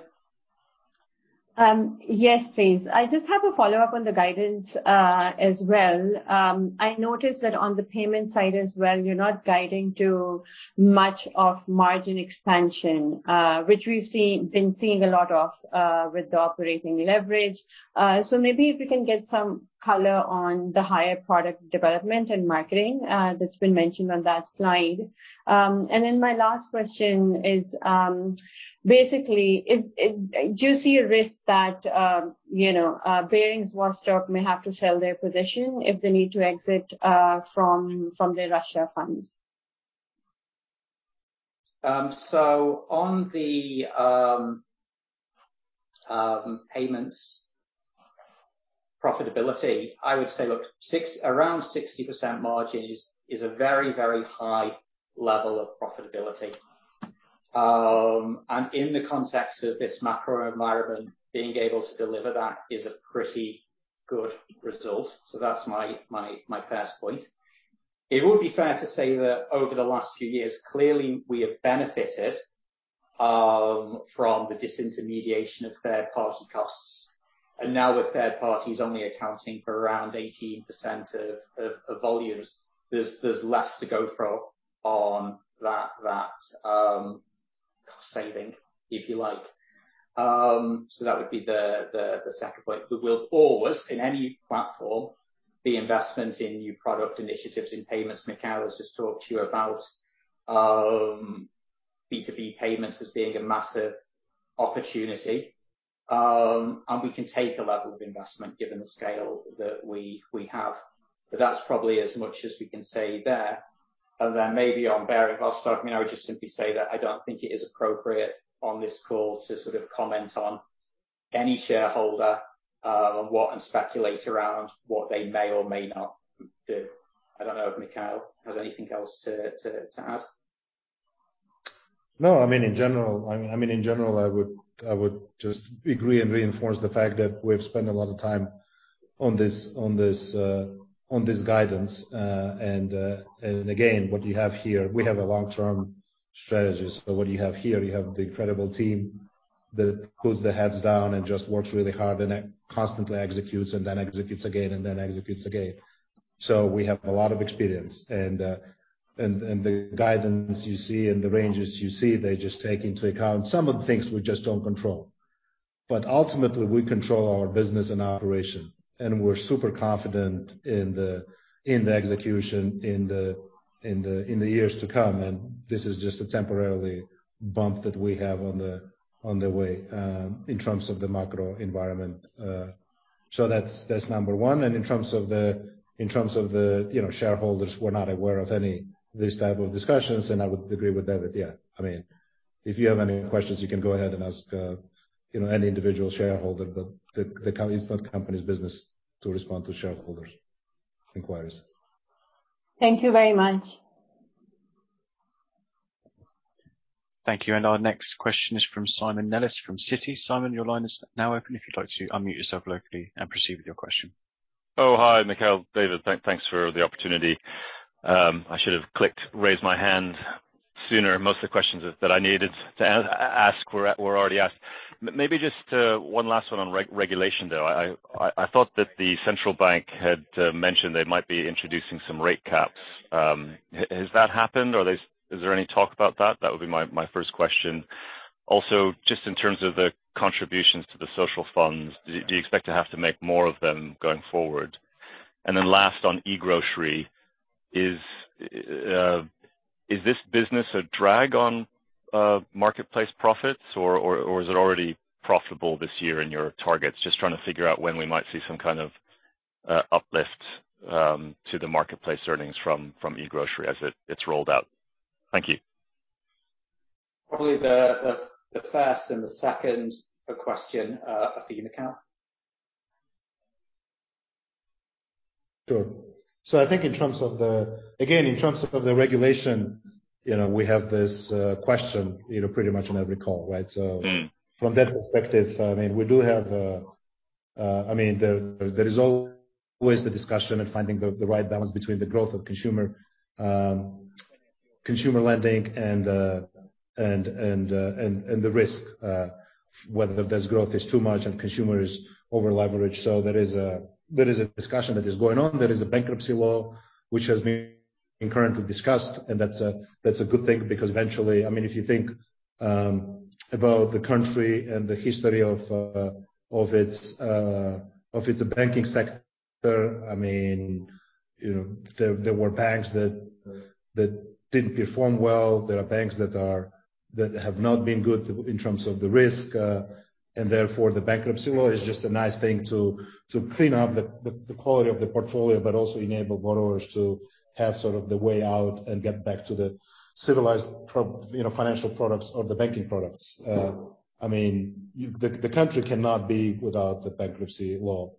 Yes, please. I just have a follow-up on the guidance as well. I noticed that on the payment side as well, you're not guiding to much of margin expansion, which we've been seeing a lot of with the operating leverage. So maybe if we can get some color on the higher product development and marketing that's been mentioned on that slide. And then my last question is basically do you see a risk that you know Baring Vostok may have to sell their position if they need to exit from their Russia funds? On the payments profitability, I would say, look, around 60% margins is a very, very high level of profitability. In the context of this macro environment, being able to deliver that is a pretty good result. That's my first point. It would be fair to say that over the last few years, clearly we have benefited from the disintermediation of third-party costs. Now with third parties only accounting for around 18% of volumes, there's less to go from on that cost saving, if you like. That would be the second point. We'll always, in any platform, the investments in new product initiatives in payments, Mikheil has just talked to you about, B2B payments as being a massive opportunity. We can take a level of investment given the scale that we have. That's probably as much as we can say there. Maybe on Baring Vostok, I mean, I would just simply say that I don't think it is appropriate on this call to sort of comment on any shareholder and speculate around what they may or may not do. I don't know if Mikheil has anything else to add. No, I mean, in general, I would just agree and reinforce the fact that we've spent a lot of time on this guidance. Again, what you have here? We have long-term strategies. What do you have here? You have the incredible team that puts their heads down and just works really hard and constantly executes and then executes again and then executes again. We have a lot of experience and the guidance you see and the ranges you see. They just take into account some of the things we just don't control. Ultimately, we control our business and operation, and we're super confident in the execution in the years to come. This is just a temporary bump that we have on the way in terms of the macro environment. That's number one. In terms of the shareholders, we're not aware of any of these type of discussions, and I would agree with David, yeah. I mean, if you have any questions, you can go ahead and ask any individual shareholder, but the company. It's not the company's business to respond to shareholders' inquiries. Thank you very much. Thank you. Our next question is from Simon Nellis from Citi. Simon, your line is now open. If you'd like to unmute yourself locally and proceed with your question. Oh, hi, Mikheil, David. Thanks for the opportunity. I should have clicked Raise My Hand sooner. Most of the questions that I needed to ask were already asked. Maybe just one last one on re-regulation, though. I thought that the central bank had mentioned they might be introducing some rate caps. Has that happened or are they? Is there any talk about that? That would be my first question. Also, just in terms of the contributions to the social funds, do you expect to have to make more of them going forward? Last on e-Grocery, is this business a drag on marketplace profits, or is it already profitable this year in your targets? Just trying to figure out when we might see some kind of uplift to the marketplace earnings from e-Grocery as it's rolled out. Thank you. Probably the first and the second question for you, Mikheil. Sure. I think in terms of the regulation, you know, we have this question, you know, pretty much on every call, right? Mm-hmm. From that perspective, I mean, we do have. I mean, there is always the discussion of finding the right balance between the growth of consumer lending and the risk, whether the growth is too much and consumer is over-leveraged. There is a discussion that is going on. There is a bankruptcy law which has been currently discussed, and that's a good thing because eventually, I mean, if you think about the country and the history of its banking sector, I mean, you know, there were banks that didn't perform well. There are banks that have not been good in terms of the risk, and therefore the bankruptcy law is just a nice thing to clean up the quality of the portfolio, but also enable borrowers to have sort of the way out and get back to the civilized, you know, financial products or the banking products. I mean, the country cannot be without the bankruptcy law.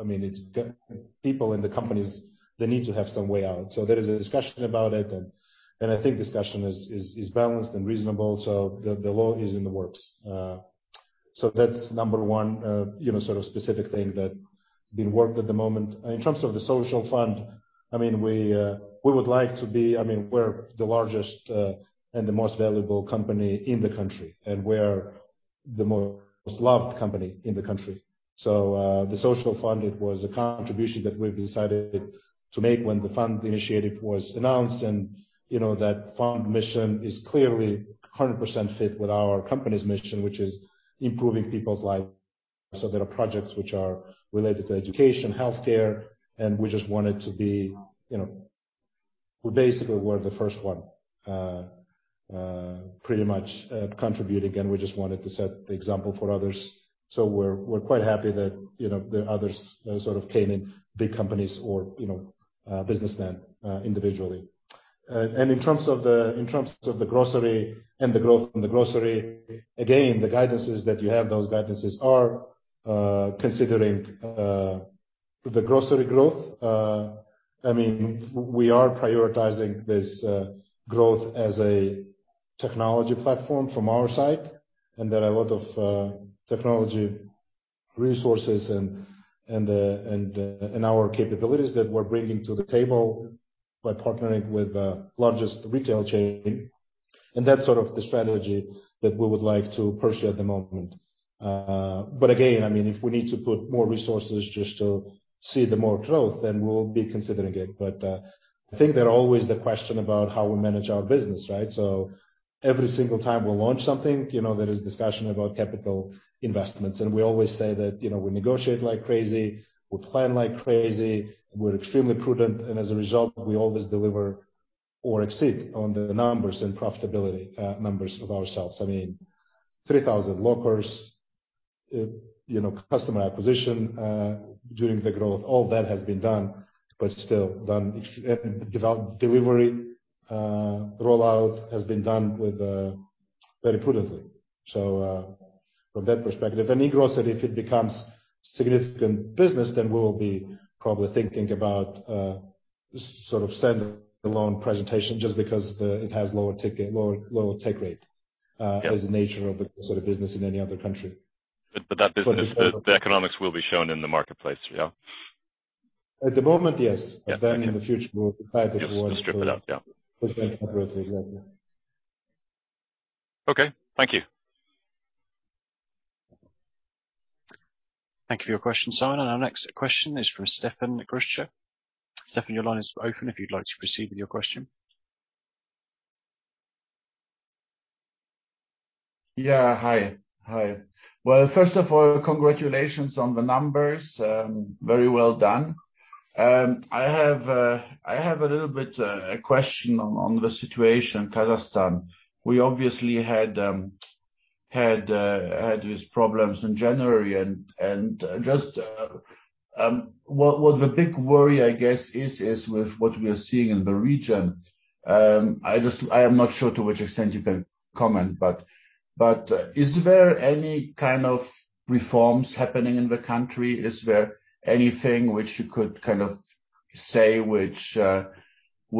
I mean, it's got people and companies that need to have some way out. There is a discussion about it, and I think discussion is balanced and reasonable. The law is in the works. That's number one, you know, sort of specific thing that's being worked at the moment. In terms of the social fund, I mean, we would like to be, I mean, we're the largest and the most valuable company in the country, and we're the most loved company in the country. The social fund, it was a contribution that we've decided to make when the fund initiative was announced. You know, that fund mission is clearly 100% fit with our company's mission, which is improving people's lives. There are projects which are related to education, healthcare, and we just wanted to be, you know. We basically were the first one pretty much contribute. Again, we just wanted to set the example for others. We're quite happy that, you know, the others sort of came in, big companies or, you know, businessmen individually. In terms of the grocery and the growth in the grocery, the guidances that you have, those guidances are considering the grocery growth. I mean, we are prioritizing this growth as a technology platform from our side, and there are a lot of technology resources and our capabilities that we're bringing to the table by partnering with the largest retail chain. That's sort of the strategy that we would like to pursue at the moment. But again, I mean, if we need to put more resources just to see the more growth, then we'll be considering it. I think there are always the question about how we manage our business, right? Every single time we launch something, you know, there is discussion about capital investments. We always say that, you know, we negotiate like crazy, we plan like crazy, we're extremely prudent, and as a result, we always deliver or exceed on the numbers and profitability, numbers of ourselves. I mean, 3,000 lockers, you know, customer acquisition during the growth, all that has been done but still done delivery rollout has been done with very prudently. From that perspective. e-Grocery, if it becomes significant business, then we will be probably thinking about sort of standalone presentation just because it has lower ticket, lower take rate- Yeah. as the nature of the sort of business in any other country. that business, the economics will be shown in the marketplace, yeah? At the moment, yes. Yeah. In the future, we will decide if we want to. Just strip it out. Yeah. Separate. Exactly. Okay. Thank you. Thank you for your question, Simon. Our next question is from Stefan Roscher. Stefan, your line is open if you'd like to proceed with your question. Yeah. Hi. Hi. Well, first of all, congratulations on the numbers. Very well done. I have a little bit a question on the situation in Kazakhstan. We obviously had these problems in January and just what the big worry, I guess, is with what we are seeing in the region. I am not sure to which extent you can comment, but is there any kind of reforms happening in the country? Is there anything which you could kind of say which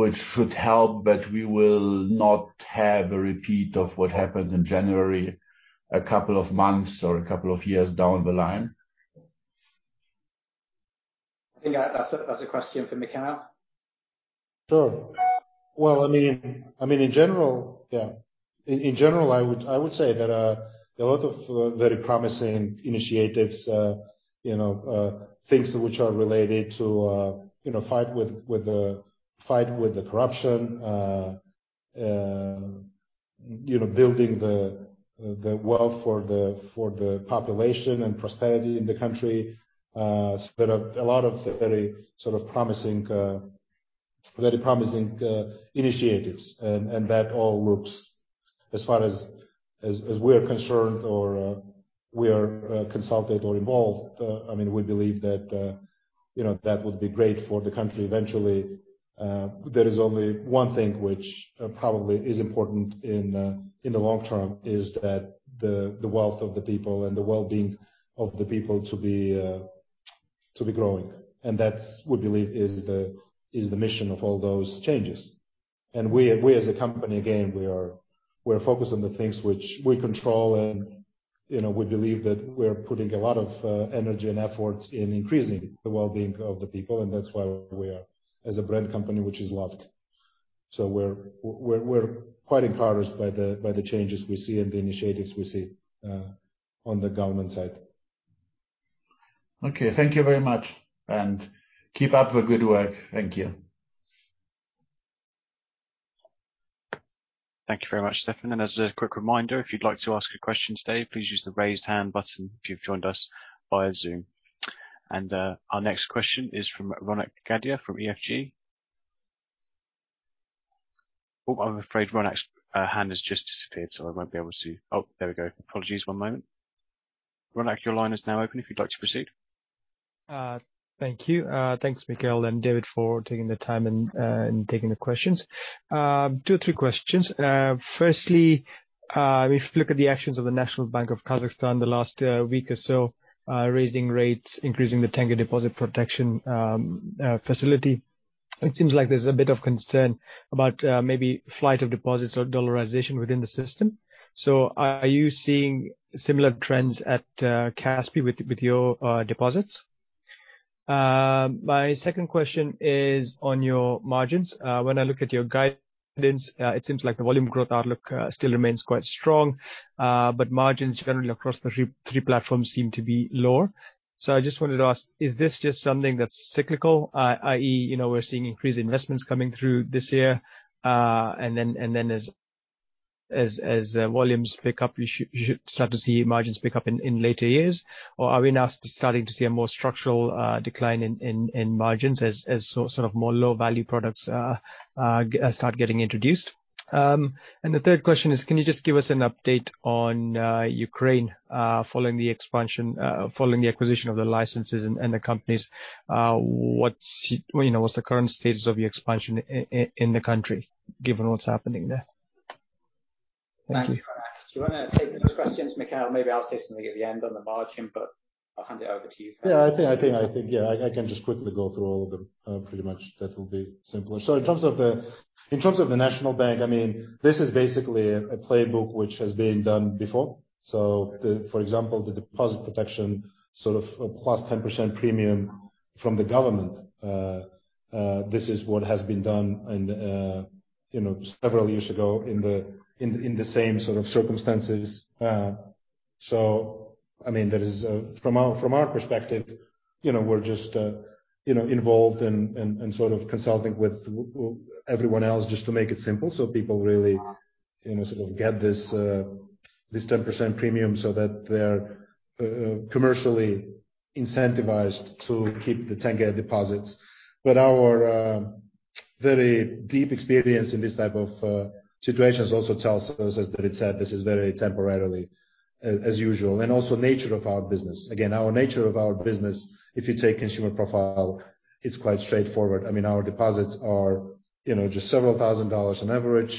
should help, that we will not have a repeat of what happened in January, a couple of months or a couple of years down the line? I think that that's a question for Mikheil. Sure. Well, I mean in general, yeah, in general, I would say there are a lot of very promising initiatives, you know, things which are related to, you know, fight with the corruption, you know, building the wealth for the population and prosperity in the country. There are a lot of very sort of promising, very promising initiatives. That all looks as far as we are concerned or we are consulted or involved, I mean, we believe that, you know, that would be great for the country eventually. There is only one thing which probably is important in the long term is that the wealth of the people and the well-being of the people to be growing. That's, we believe, is the mission of all those changes. We as a company, again, we're focused on the things which we control and, you know, we believe that we're putting a lot of energy and efforts in increasing the well-being of the people, and that's why we are as a brand company which is loved. We're quite encouraged by the changes we see and the initiatives we see on the government side. Okay. Thank you very much, and keep up the good work. Thank you. Thank you very much, Stefan. As a quick reminder, if you'd like to ask a question today, please use the Raise Hand button if you've joined us via Zoom. Our next question is from Ronak Gadia from EFG. Oh, I'm afraid Ronak's hand has just disappeared, so I won't be able to. Oh, there we go. Apologies. One moment. Ronak, your line is now open if you'd like to proceed. Thank you. Thanks Mikheil and David for taking the time and taking the questions. Two or three questions. Firstly, if you look at the actions of the National Bank of Kazakhstan the last week or so, raising rates, increasing the tenge deposit protection facility, it seems like there's a bit of concern about maybe flight of deposits or dollarization within the system. Are you seeing similar trends at Kaspi with your deposits? My second question is on your margins. When I look at your guidance, it seems like the volume growth outlook still remains quite strong, but margins generally across the three platforms seem to be lower. I just wanted to ask, is this just something that's cyclical, i.e. You know, we're seeing increased investments coming through this year, and then as volumes pick up, you should start to see margins pick up in later years? Or are we now starting to see a more structural decline in margins as sort of more low-value products start getting introduced? And the third question is, can you just give us an update on Ukraine following the expansion following the acquisition of the licenses and the companies, what's, you know, what's the current status of the expansion in the country given what's happening there? Thank you. Do you wanna take the questions, Mikheil? Maybe I'll say something at the end on the margin, but I'll hand it over to you. I think I can just quickly go through all of them pretty much. That will be simpler. In terms of the National Bank, I mean, this is basically a playbook which has been done before. For example, the deposit protection sort of a +10% premium from the government, this is what has been done and, you know, several years ago in the same sort of circumstances. I mean, there is, from our perspective, you know, we're just, you know, involved and sort of consulting with everyone else just to make it simple so people really, you know, sort of get this 10% premium so that they're commercially incentivized to keep the tenge deposits. Our very deep experience in this type of situations also tells us that this is very temporary, as usual, and the nature of our business. Again, our nature of our business, if you take consumer profile, it's quite straightforward. I mean, our deposits are, you know, just several thousand dollars on average.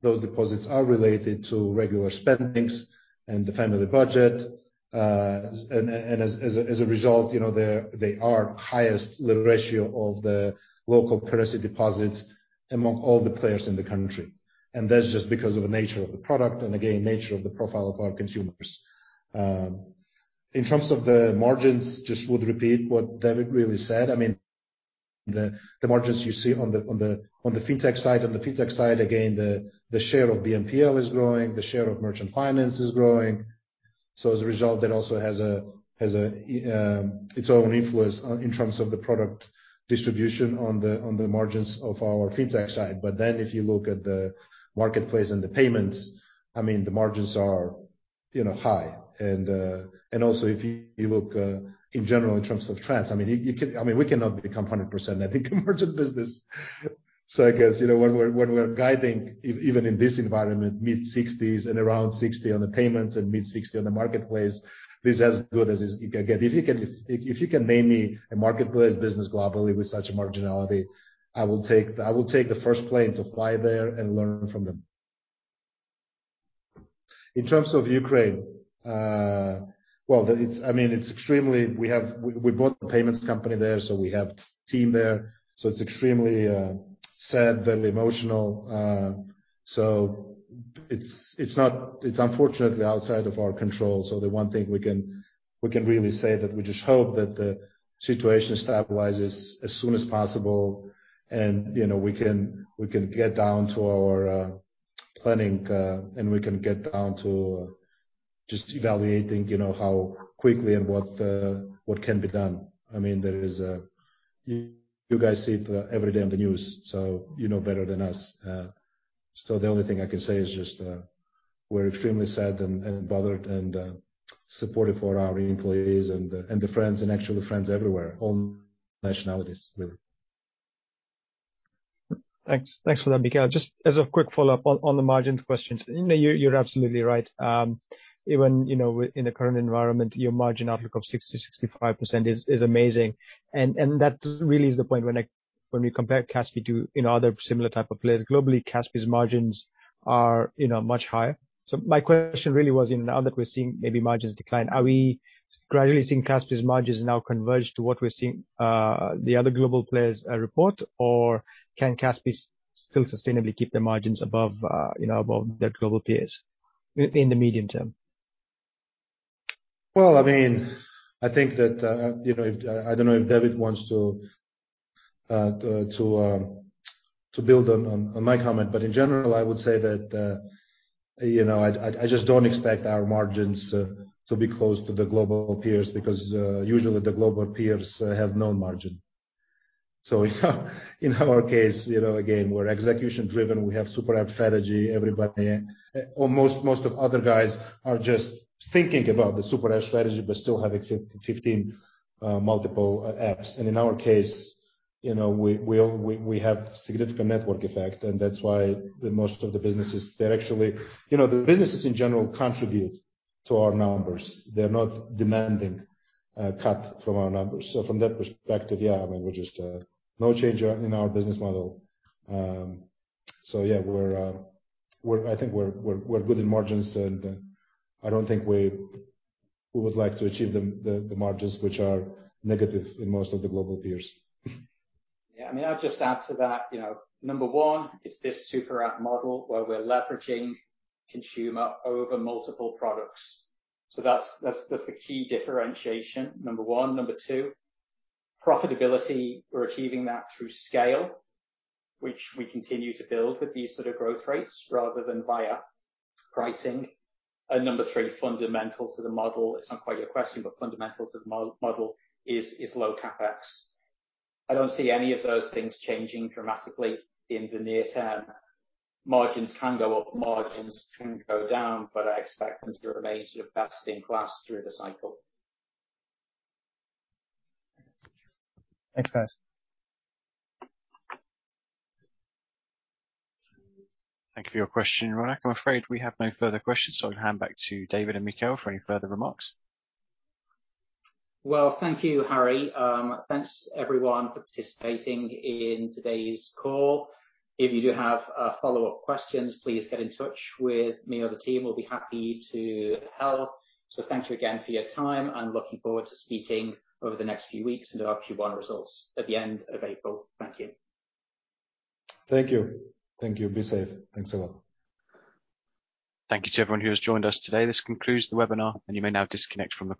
Those deposits are related to regular spending and the family budget. And as a result, you know, they have the highest ratio of the local currency deposits among all the players in the country. That's just because of the nature of the product, and again, nature of the profile of our consumers. In terms of the margins, I would just repeat what David really said. I mean, the margins you see on the Fintech side. On the Fintech side, again, the share of BNPL is growing, the share of merchant finance is growing. As a result, that also has its own influence on, in terms of, the product distribution on the margins of our Fintech side. If you look at the Marketplace and the Payments, I mean, the margins are, you know, high. Also if you look in general in terms of trends, I mean, you can, I mean, we cannot become 100%, I think in merchant business. I guess, you know, when we're guiding even in this environment, mid-60s% and around 60% on the Payments and mid-60% on the Marketplace, this is as good as it can get. If you can name me a marketplace business globally with such a marginality, I will take the first plane to fly there and learn from them. In terms of Ukraine, it's, I mean, it's extremely. We bought the payments company there, so we have team there, so it's extremely sad, very emotional. It's not, it's unfortunately outside of our control. The one thing we can really say is that we just hope that the situation stabilizes as soon as possible and, you know, we can get down to our planning, and we can get down to just evaluating, you know, how quickly and what can be done. I mean, there is, you guys see it every day on the news, so you know better than us. The only thing I can say is just, we're extremely sad and bothered and supportive for our employees and the friends and actually friends everywhere, all nationalities, really. Thanks. Thanks for that, Mikheil. Just as a quick follow-up on the margins questions. You know, you're absolutely right. Even, you know, in the current environment, your margin outlook of 60%-65% is amazing. That really is the point when we compare Kaspi to, you know, other similar type of players globally, Kaspi's margins are, you know, much higher. My question really was, you know, now that we're seeing maybe margins decline, are we gradually seeing Kaspi's margins now converge to what we're seeing the other global players report? Or can Kaspi still sustainably keep their margins above, you know, above their global peers in the medium term? Well, I mean, I think that, you know, I don't know if David wants to build on my comment, but in general, I would say that, you know, I just don't expect our margins to be close to the global peers because usually the global peers have no margin. In our case, you know, again, we're execution driven. We have super app strategy. Everybody or most of other guys are just thinking about the super app strategy but still have 15 multiple apps. In our case, you know, we have significant network effect, and that's why most of the businesses contribute to our numbers. They're not demanding a cut from our numbers. From that perspective, yeah, I mean, we're just no change in our business model. Yeah, I think we're good in margins and I don't think we would like to achieve the margins which are negative in most of the global peers. Yeah. I mean, I'll just add to that. You know, number one is this super app model where we're leveraging consumer over multiple products. So that's the key differentiation, number one. Number two, profitability. We're achieving that through scale, which we continue to build with these sort of growth rates rather than via pricing. Number three, fundamental to the model. It's not quite your question, but fundamentals of model is low CapEx. I don't see any of those things changing dramatically in the near term. Margins can go up, margins can go down, but I expect them to remain sort of best in class through the cycle. Thanks, guys. Thank you for your question, Ronak. I'm afraid we have no further questions, so I'll hand back to David and Mikheil for any further remarks. Well, thank you, Harry. Thanks everyone for participating in today's call. If you do have follow-up questions, please get in touch with me or the team. We'll be happy to help. Thank you again for your time, and looking forward to speaking over the next few weeks into our Q1 results at the end of April. Thank you. Thank you. Thank you. Be safe. Thanks a lot. Thank you to everyone who has joined us today. This concludes the webinar, and you may now disconnect from the call.